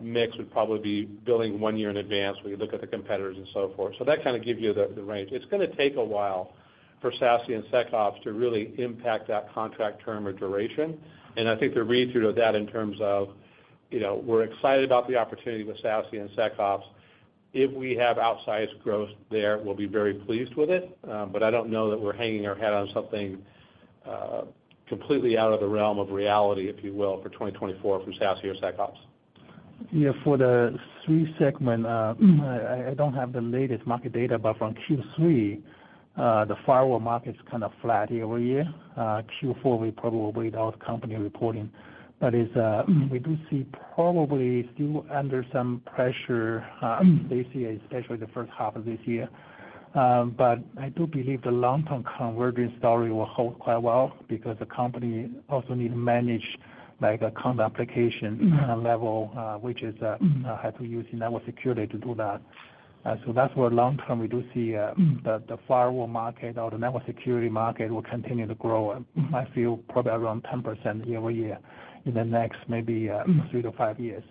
[SPEAKER 4] mix would probably be billing 1 year in advance when you look at the competitors and so forth. So that kind of gives you the range. It's going to take a while for SASE and SecOps to really impact that contract term or duration. I think the read-through to that in terms of, you know, we're excited about the opportunity with SASE and SecOps. If we have outsized growth there, we'll be very pleased with it. But I don't know that we're hanging our hat on something completely out of the realm of reality, if you will, for 2024 from SASE or SecOps.
[SPEAKER 3] Yeah, for the SMB segment, I don't have the latest market data, but from Q3, the firewall market is kind of flat year-over-year. Q4, we probably without company reporting, but is, we do see probably still under some pressure, this year, especially the first half of this year. But I do believe the long-term convergence story will hold quite well, because the company also need to manage, like, a cloud application level, which is have to use network security to do that. So that's where long term, we do see, the firewall market or the network security market will continue to grow, I feel probably around 10% year-over-year in the next maybe, three to five years.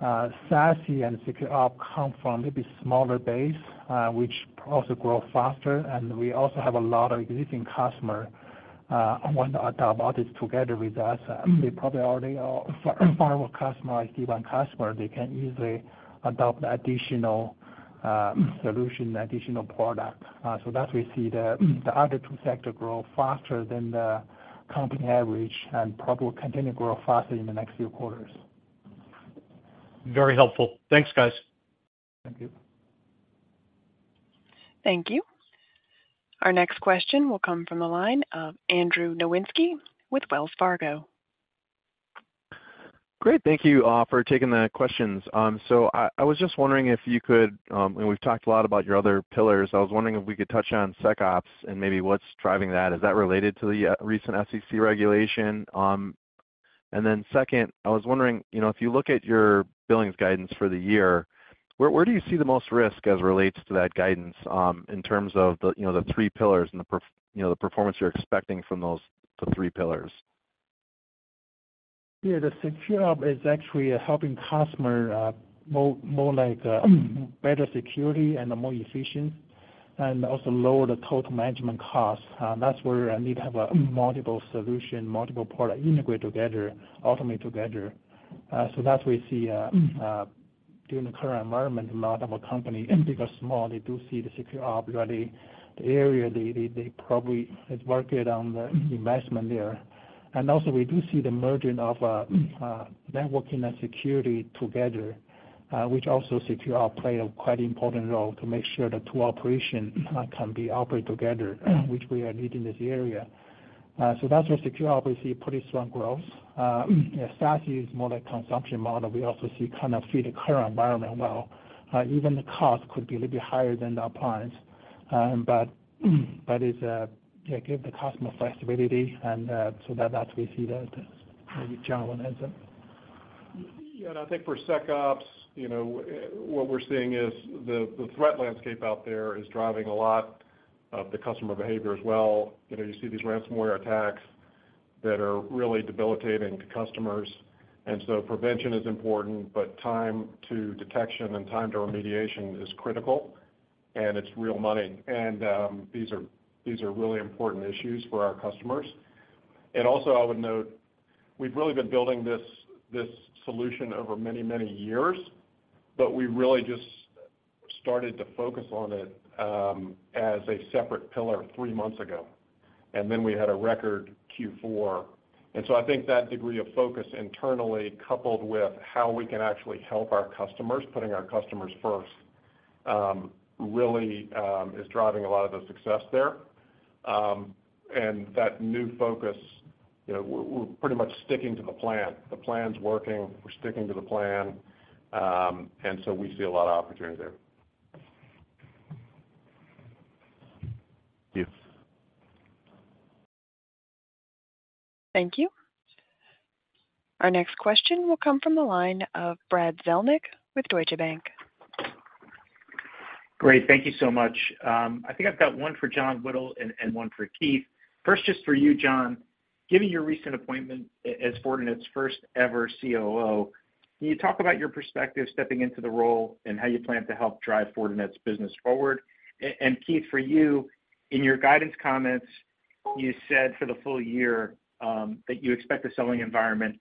[SPEAKER 3] SASE and SecOps come from maybe smaller base, which also grow faster. We also have a lot of existing customer want to adopt this together with us. They probably already are firewall customer, SD-WAN customer. They can easily adopt additional solution, additional product. So that we see the other two sector grow faster than the company average, and probably continue to grow faster in the next few quarters.
[SPEAKER 10] Very helpful. Thanks, guys.
[SPEAKER 3] Thank you.
[SPEAKER 1] Thank you. Our next question will come from the line of Andrew Nowinski with Wells Fargo.
[SPEAKER 11] Great, thank you, for taking the questions. So I, I was just wondering if you could, and we've talked a lot about your other pillars. I was wondering if we could touch on SecOps and maybe what's driving that. Is that related to the, recent SEC regulation? And then second, I was wondering, you know, if you look at your billings guidance for the year, where, where do you see the most risk as it relates to that guidance, in terms of the, you know, the three pillars and the performance you're expecting from those, the three pillars?
[SPEAKER 3] Yeah, the SecOps is actually helping customer, more, more like, better security and more efficient, and also lower the total management cost. And that's where I need to have a multiple solution, multiple product integrate together, automate together. So that we see, during the current environment, a lot of a company, and big or small, they do see the SecOps already. The area, they probably is working on the investment there. And also, we do see the merging of, networking and security together, which also SecOps play a quite important role to make sure the two operation, can be operated together, which we are need in this area. So that's where SecOps, we see pretty strong growth. SASE is more like consumption model. We also see kind of fit the current environment well. Even the cost could be a little bit higher than the appliance, but it's yeah, give the customer flexibility, and so that's we see that. Maybe John wants to add something.
[SPEAKER 12] Yeah, and I think for SecOps, you know, what we're seeing is the threat landscape out there is driving a lot of the customer behavior as well. You know, you see these ransomware attacks that are really debilitating to customers, and so prevention is important, but time to detection and time to remediation is critical, and it's real money. And these are really important issues for our customers. And also, I would note, we've really been building this solution over many, many years, but we really just started to focus on it as a separate pillar three months ago, and then we had a record Q4. And so I think that degree of focus internally, coupled with how we can actually help our customers, putting our customers first, really is driving a lot of the success there. And that new focus, you know, we're pretty much sticking to the plan. The plan's working, we're sticking to the plan, and so we see a lot of opportunity there.
[SPEAKER 3] Yes.
[SPEAKER 1] Thank you. Our next question will come from the line of Brad Zelnick with Deutsche Bank.
[SPEAKER 13] Great. Thank you so much. I think I've got one for John Whittle and one for Keith. First, just for you, John. Given your recent appointment as Fortinet's first-ever COO, can you talk about your perspective stepping into the role and how you plan to help drive Fortinet's business forward? And Keith, for you, in your guidance comments, you said for the full year that you expect the selling environment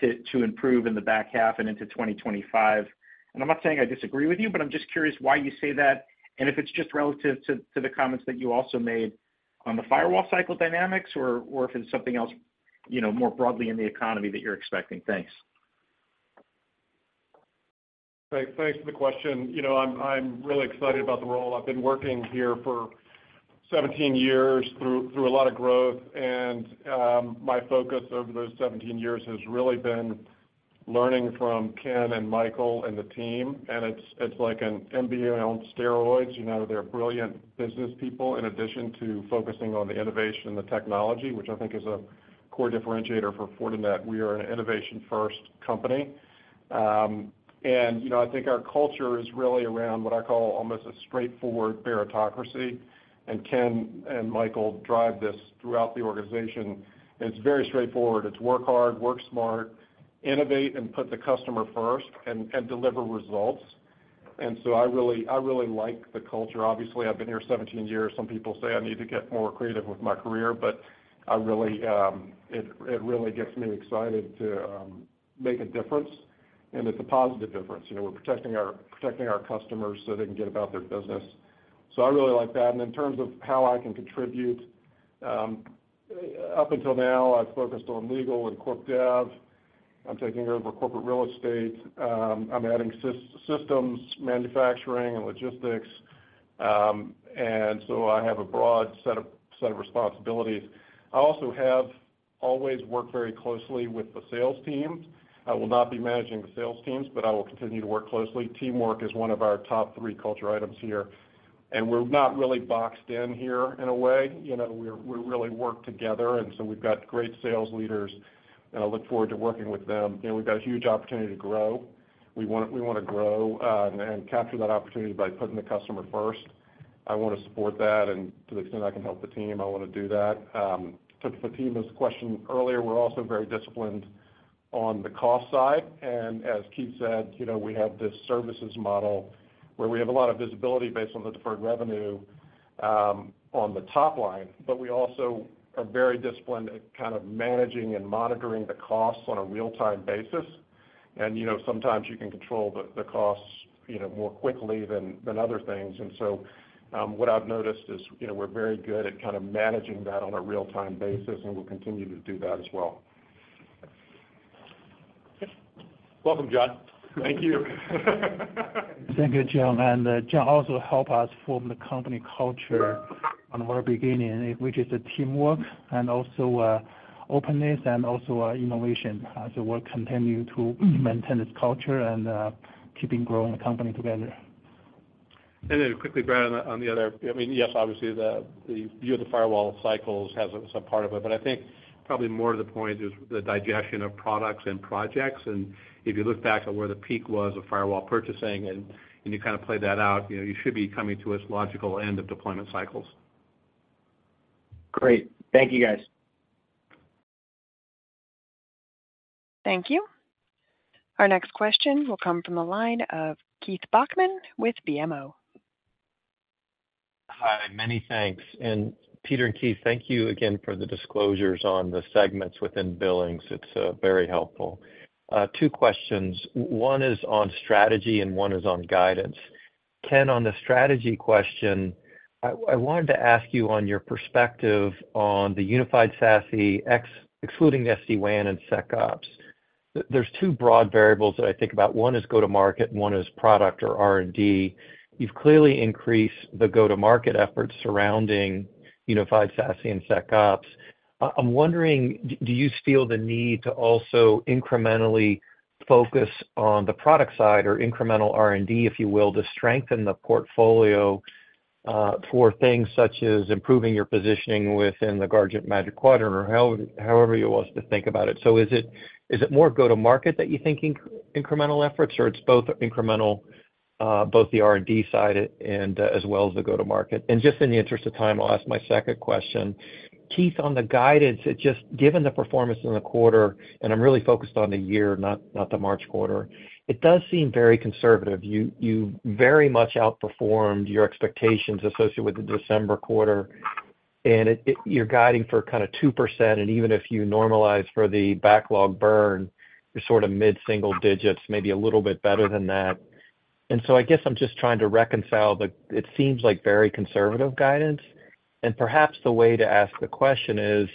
[SPEAKER 13] to improve in the back half and into 2025. And I'm not saying I disagree with you, but I'm just curious why you say that, and if it's just relative to the comments that you also made on the firewall cycle dynamics, or if it's something else, you know, more broadly in the economy that you're expecting. Thanks.
[SPEAKER 12] Great. Thanks for the question. You know, I'm, I'm really excited about the role. I've been working here for 17 years through a lot of growth, and my focus over those 17 years has really been learning from Ken and Michael and the team, and it's like an MBA on steroids. You know, they're brilliant business people, in addition to focusing on the innovation and the technology, which I think is a core differentiator for Fortinet. We are an innovation-first company. And you know, I think our culture is really around what I call almost a straightforward meritocracy, and Ken and Michael drive this throughout the organization, and it's very straightforward. It's work hard, work smart, innovate, and put the customer first, and deliver results. And so I really, I really like the culture. Obviously, I've been here 17 years. Some people say I need to get more creative with my career, but I really, it really gets me excited to make a difference, and it's a positive difference. You know, we're protecting our customers so they can get about their business. So I really like that. In terms of how I can contribute, up until now, I've focused on legal and corp dev. I'm taking over corporate real estate. I'm adding systems, manufacturing and logistics, and so I have a broad set of responsibilities. I also have always worked very closely with the sales teams. I will not be managing the sales teams, but I will continue to work closely. Teamwork is one of our top three culture items here, and we're not really boxed in here in a way. You know, we really work together, and so we've got great sales leaders, and I look forward to working with them. You know, we've got a huge opportunity to grow. We want to grow and capture that opportunity by putting the customer first. I want to support that, and to the extent I can help the team, I want to do that. To Fatima's question earlier, we're also very disciplined on the cost side. And as Keith said, you know, we have this services model where we have a lot of visibility based on the deferred revenue on the top line, but we also are very disciplined at kind of managing and monitoring the costs on a real-time basis. And, you know, sometimes you can control the costs more quickly than other things. And so, what I've noticed is, you know, we're very good at kind of managing that on a real-time basis, and we'll continue to do that as well.
[SPEAKER 4] Welcome, John.
[SPEAKER 12] Thank you.
[SPEAKER 3] Thank you, John. John also help us form the company culture on our beginning, which is the teamwork and also openness and also innovation. As we're continuing to maintain this culture and keeping growing the company together.
[SPEAKER 4] And then quickly, Brad, on the other, I mean, yes, obviously, the view of the firewall cycles has some part of it, but I think probably more to the point is the digestion of products and projects. And if you look back at where the peak was of firewall purchasing and you kind of play that out, you know, you should be coming to its logical end of deployment cycles.
[SPEAKER 13] Great. Thank you, guys.
[SPEAKER 1] Thank you. Our next question will come from the line of Keith Bachman with BMO.
[SPEAKER 14] Hi, many thanks. And Peter and Keith, thank you again for the disclosures on the segments within billings. It's very helpful. Two questions. One is on strategy and one is on guidance. Ken, on the strategy question, I wanted to ask you on your perspective on the unified SASE, excluding SD-WAN and SecOps. There's two broad variables that I think about. One is go-to-market, and one is product or R&D. You've clearly increased the go-to-market efforts surrounding unified SASE and SecOps. I'm wondering, do you feel the need to also incrementally focus on the product side or incremental R&D, if you will, to strengthen the portfolio, for things such as improving your positioning within the Gartner Magic Quadrant, or however you want us to think about it? So is it more go-to-market that you think incremental efforts, or it's both incremental, both the R&D side and, as well as the go-to-market? And just in the interest of time, I'll ask my second question. Keith, on the guidance, it just, given the performance in the quarter, and I'm really focused on the year, not, not the March quarter, it does seem very conservative. You very much outperformed your expectations associated with the December quarter, and it... You're guiding for kind of 2%, and even if you normalize for the backlog burn, you're sort of mid-single digits, maybe a little bit better than that. And so I guess I'm just trying to reconcile the, it seems like very conservative guidance. Perhaps the way to ask the question is,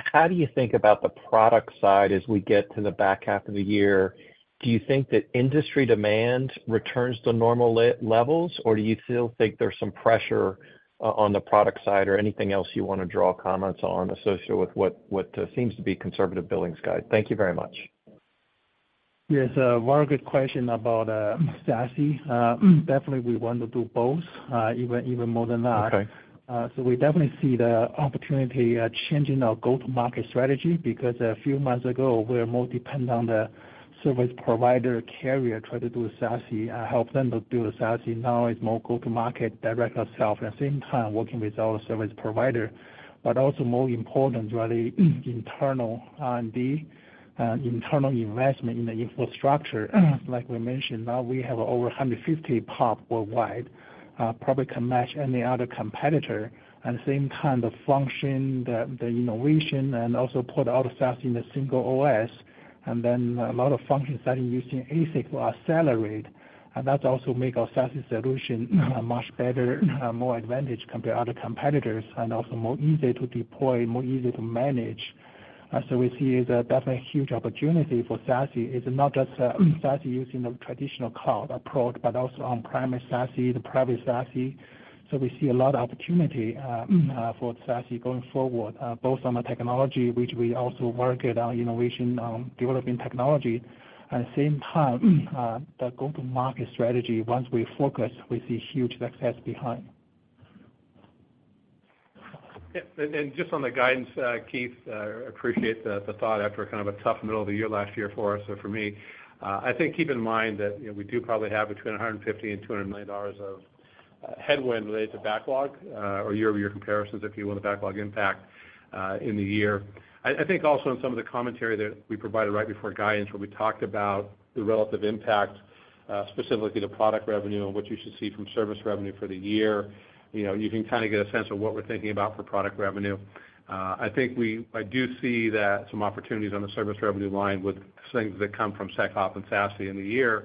[SPEAKER 14] how do you think about the product side as we get to the back half of the year? Do you think that industry demand returns to normal levels, or do you still think there's some pressure on the product side or anything else you want to draw comments on associated with what seems to be conservative billings guide? Thank you very much.
[SPEAKER 3] Yes, very good question about SASE. Definitely, we want to do both, even, even more than that.
[SPEAKER 14] Okay.
[SPEAKER 3] So we definitely see the opportunity, changing our go-to-market strategy, because a few months ago, we were more dependent on the service provider carrier, try to do a SASE, help them to do a SASE. Now, it's more go-to-market, direct ourselves, at the same time, working with our service provider. But also more important, really, internal R&D, internal investment in the infrastructure. Like we mentioned, now we have over 150 POP worldwide, probably can match any other competitor. At the same time, the function, the innovation, and also put all the SASE in a single OS, and then a lot of functions that are using ASIC will accelerate. And that also make our SASE solution a much better, more advantage compared to other competitors, and also more easier to deploy, more easier to manage. So we see that that's a huge opportunity for SASE. It's not just SASE using a traditional cloud approach, but also on-premise SASE, the private SASE. So we see a lot of opportunity for SASE going forward both on the technology, which we also work at our innovation on developing technology. At the same time the go-to-market strategy, once we focus, we see huge success behind.
[SPEAKER 4] Yeah, and just on the guidance, Keith, appreciate the thought after kind of a tough middle of the year, last year for us or for me. I think keep in mind that, you know, we do probably have between $150 million and $200 million of headwind related to backlog or year-over-year comparisons, if you will, the backlog impact in the year. I think also in some of the commentary that we provided right before guidance, where we talked about the relative impact specifically to product revenue and what you should see from service revenue for the year, you know, you can kind of get a sense of what we're thinking about for product revenue. I think I do see that some opportunities on the service revenue line with things that come from SecOps and SASE in the year.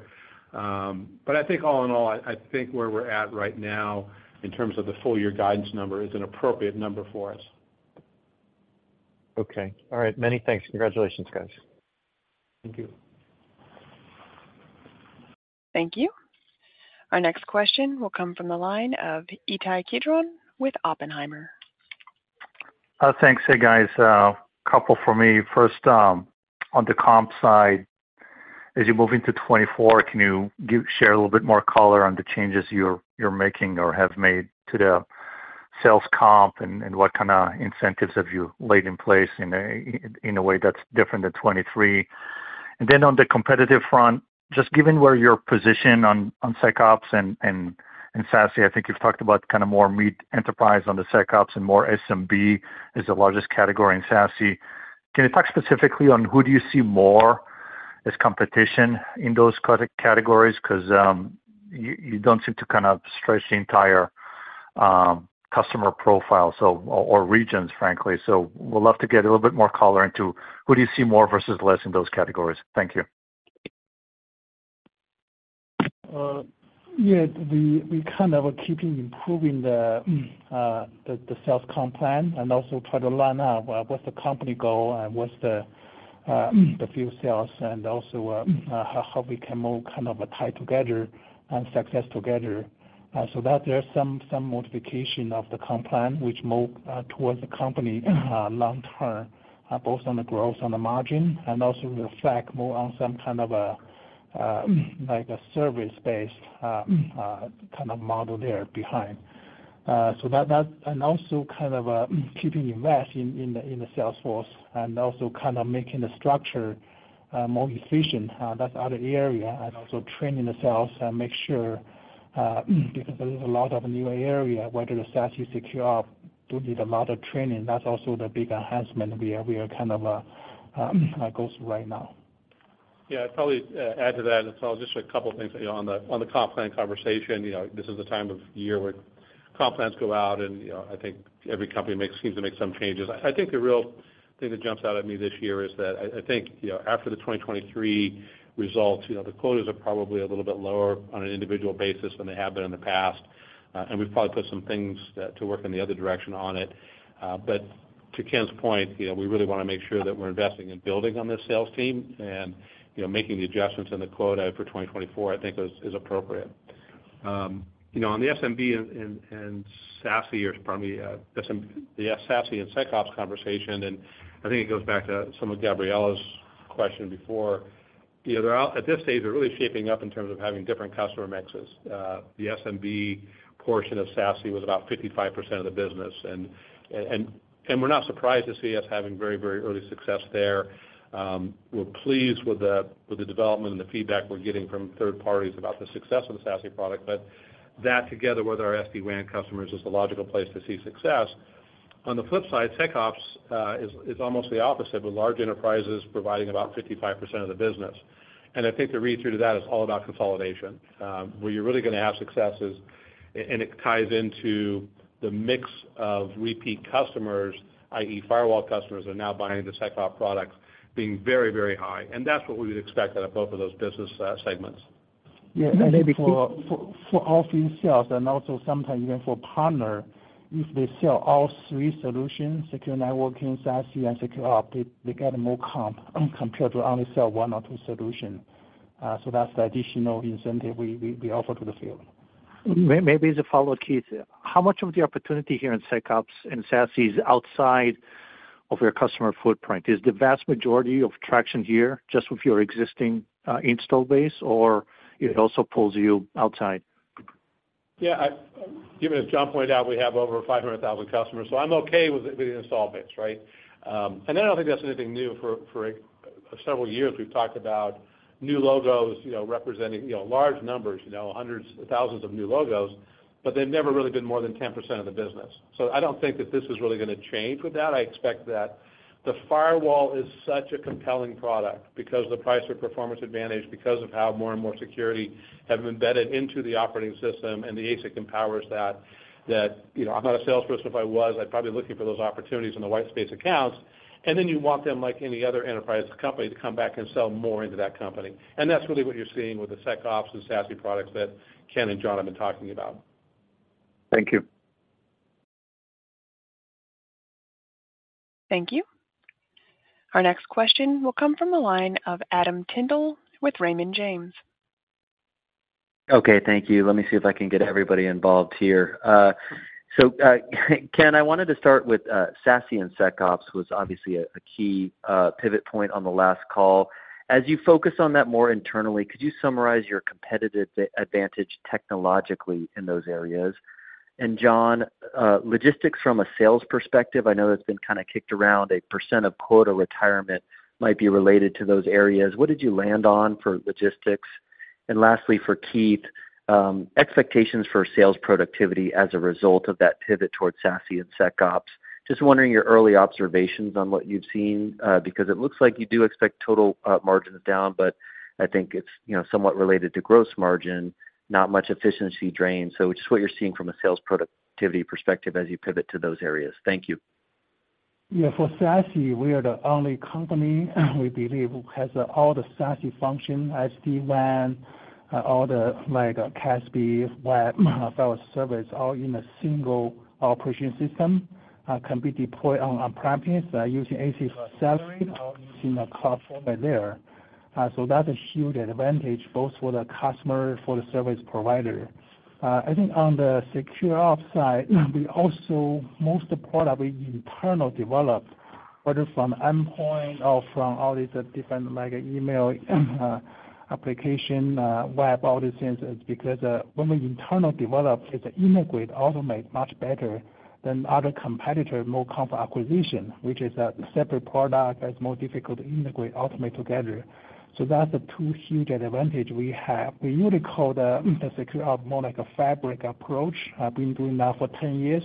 [SPEAKER 4] But I think all in all, I, I think where we're at right now in terms of the full year guidance number is an appropriate number for us.
[SPEAKER 14] Okay. All right. Many thanks. Congratulations, guys.
[SPEAKER 3] Thank you.
[SPEAKER 1] Thank you. Our next question will come from the line of Itai Kidron with Oppenheimer.
[SPEAKER 15] Thanks. Hey, guys, couple for me. First, on the comp side, as you move into 2024, can you share a little bit more color on the changes you're making or have made to the... sales comp and what kind of incentives have you laid in place in a way that's different than 23? And then on the competitive front, just given where your position on SecOps and SASE, I think you've talked about kind of more mid-enterprise on the SecOps and more SMB is the largest category in SASE. Can you talk specifically on who do you see more as competition in those categories? 'Cause you don't seem to kind of stretch the entire customer profile, so or regions, frankly. So would love to get a little bit more color into who do you see more versus less in those categories? Thank you.
[SPEAKER 3] Yeah, we kind of are keeping improving the sales comp plan and also try to line up what's the company goal and what's the field sales, and also how we can move kind of a tie together and success together. So that there are some modification of the comp plan, which move towards the company long term, both on the growth and the margin, and also reflect more on some kind of a like a service-based kind of model there behind. So, that and also kind of keeping investment in the sales force and also kind of making the structure more efficient, that's another area, and also training the sales and making sure, because there is a lot of new area, whether the SASE, SecOps, do need a lot of training. That's also the big enhancement we are kind of going through right now.
[SPEAKER 4] Yeah, I'd probably add to that as well. Just a couple things, you know, on the comp plan conversation. You know, this is the time of year where comp plans go out and, you know, I think every company makes, seems to make some changes. I think the real thing that jumps out at me this year is that I think, you know, after the 2023 results, you know, the quotas are probably a little bit lower on an individual basis than they have been in the past. And we've probably put some things to work in the other direction on it. But to Ken's point, you know, we really wanna make sure that we're investing in building on this sales team and, you know, making the adjustments in the quota for 2024, I think is appropriate. You know, on the SMB and SASE, or probably the SASE and SecOps conversation, and I think it goes back to some of Gabriela's question before. You know, they're all... At this stage, they're really shaping up in terms of having different customer mixes. The SMB portion of SASE was about 55% of the business, and we're not surprised to see us having very, very early success there. We're pleased with the development and the feedback we're getting from third parties about the success of the SASE product. But that, together with our SD-WAN customers, is the logical place to see success. On the flip side, SecOps is almost the opposite, with large enterprises providing about 55% of the business. And I think the read-through to that is all about consolidation. Where you're really gonna have success is, and it ties into the mix of repeat customers, i.e., firewall customers are now buying the SecOps products, being very, very high, and that's what we would expect out of both of those business segments.
[SPEAKER 3] Yeah, and for all field sales, and also sometimes even for partner, if they sell all three solutions, secure networking, SASE, and SecOps, they get more comp compared to only sell one or two solution. So that's the additional incentive we offer to the field.
[SPEAKER 15] Maybe as a follow-up, Keith, how much of the opportunity here in SecOps and SASE is outside of your customer footprint? Is the vast majority of traction here just with your existing install base, or it also pulls you outside?
[SPEAKER 4] Yeah, I—Given, as John pointed out, we have over 500,000 customers, so I'm okay with the install base, right? And I don't think that's anything new. For several years, we've talked about new logos, you know, representing, you know, large numbers, you know, hundreds of thousands of new logos, but they've never really been more than 10% of the business. So I don't think that this is really gonna change with that. I expect that the firewall is such a compelling product because the price or performance advantage, because of how more and more security have embedded into the operating system, and the ASIC empowers that, you know, I'm not a salesperson. If I was, I'd probably be looking for those opportunities in the white space accounts, and then you want them, like any other enterprise company, to come back and sell more into that company. And that's really what you're seeing with the SecOps and SASE products that Ken and John have been talking about.
[SPEAKER 15] Thank you.
[SPEAKER 1] Thank you. Our next question will come from the line of Adam Tindle with Raymond James.
[SPEAKER 16] Okay, thank you. Let me see if I can get everybody involved here. So, Ken, I wanted to start with SASE and SecOps, was obviously a key pivot point on the last call. As you focus on that more internally, could you summarize your competitive advantage technologically in those areas? And John, logistics from a sales perspective, I know that's been kind of kicked around. A percent of quota retirement might be related to those areas. What did you land on for logistics? And lastly, for Keith, expectations for sales productivity as a result of that pivot towards SASE and SecOps. Just wondering your early observations on what you've seen, because it looks like you do expect total margins down, but I think it's, you know, somewhat related to gross margin, not much efficiency drain. So just what you're seeing from a sales productivity perspective as you pivot to those areas. Thank you.
[SPEAKER 3] Yeah, for SASE, we are the only company, we believe, who has all the SASE function, SD-WAN, all the, like, CASB, Web, firewall service, all in a single operating system, can be deployed on-premises, using ASIC accelerator or using a cloud format there. So that's a huge advantage both for the customer, for the service provider. I think on the SecOps side, we also, most the product we internal developed. Whether from endpoint or from all these different, like, email, application, web, all these things, is because, when we internal develop, it integrate, automate much better than other competitor, more from acquisition, which is a separate product that's more difficult to integrate, automate together. So that's the two huge advantage we have. We usually call the, the SecOps more like a fabric approach. I've been doing that for 10 years,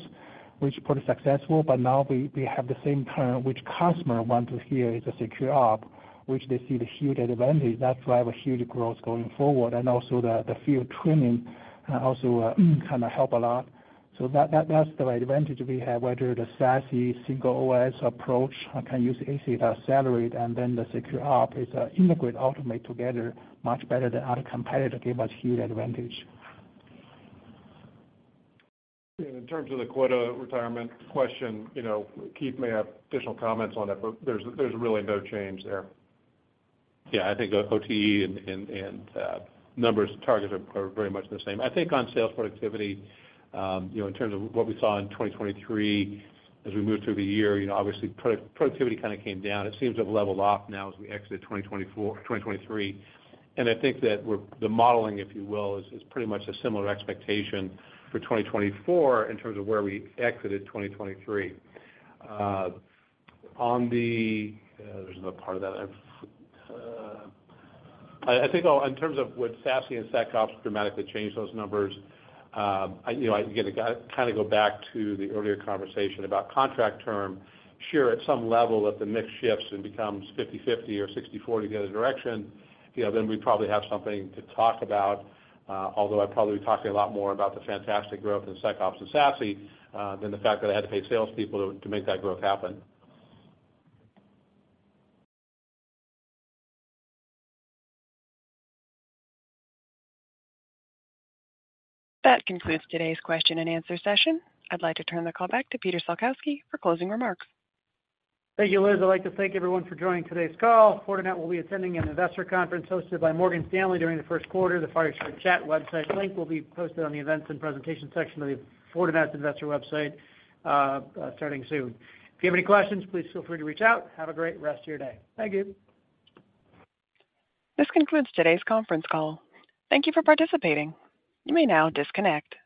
[SPEAKER 3] which is pretty successful, but now we have the same term, which customers want to hear is SecOps, which they see the huge advantage. That drives a huge growth going forward, and also the field training also kind of helps a lot. So that's the advantage we have, whether the SASE, single OS approach, I can use ASIC to accelerate, and then the SecOps is integrate, automate together much better than other competitor. Gives us huge advantage.
[SPEAKER 12] In terms of the quota retirement question, you know, Keith may have additional comments on it, but there's really no change there.
[SPEAKER 4] Yeah, I think the OTE and numbers targets are very much the same. I think on sales productivity, you know, in terms of what we saw in 2023, as we moved through the year, you know, obviously, productivity kind of came down. It seems to have leveled off now as we exit 2024 to 2023. And I think that the modeling, if you will, is pretty much a similar expectation for 2024 in terms of where we exited 2023. On the, there's another part of that I've. I think I'll, in terms of would SASE and SecOps dramatically change those numbers? You know, again, to kind of go back to the earlier conversation about contract term. Sure, at some level, if the mix shifts and becomes 50/50 or 60/40 the other direction, you know, then we probably have something to talk about, although I'd probably be talking a lot more about the fantastic growth in SecOps and SASE, than the fact that I had to pay salespeople to make that growth happen.
[SPEAKER 1] That concludes today's question and answer session. I'd like to turn the call back to Peter Salkowski for closing remarks.
[SPEAKER 2] Thank you, Liz. I'd like to thank everyone for joining today's call. Fortinet will be attending an investor conference hosted by Morgan Stanley during the first quarter. The Fireside chat website link will be posted on the Events and Presentations section of the Fortinet investor website, starting soon. If you have any questions, please feel free to reach out. Have a great rest of your day. Thank you.
[SPEAKER 1] This concludes today's conference call. Thank you for participating. You may now disconnect.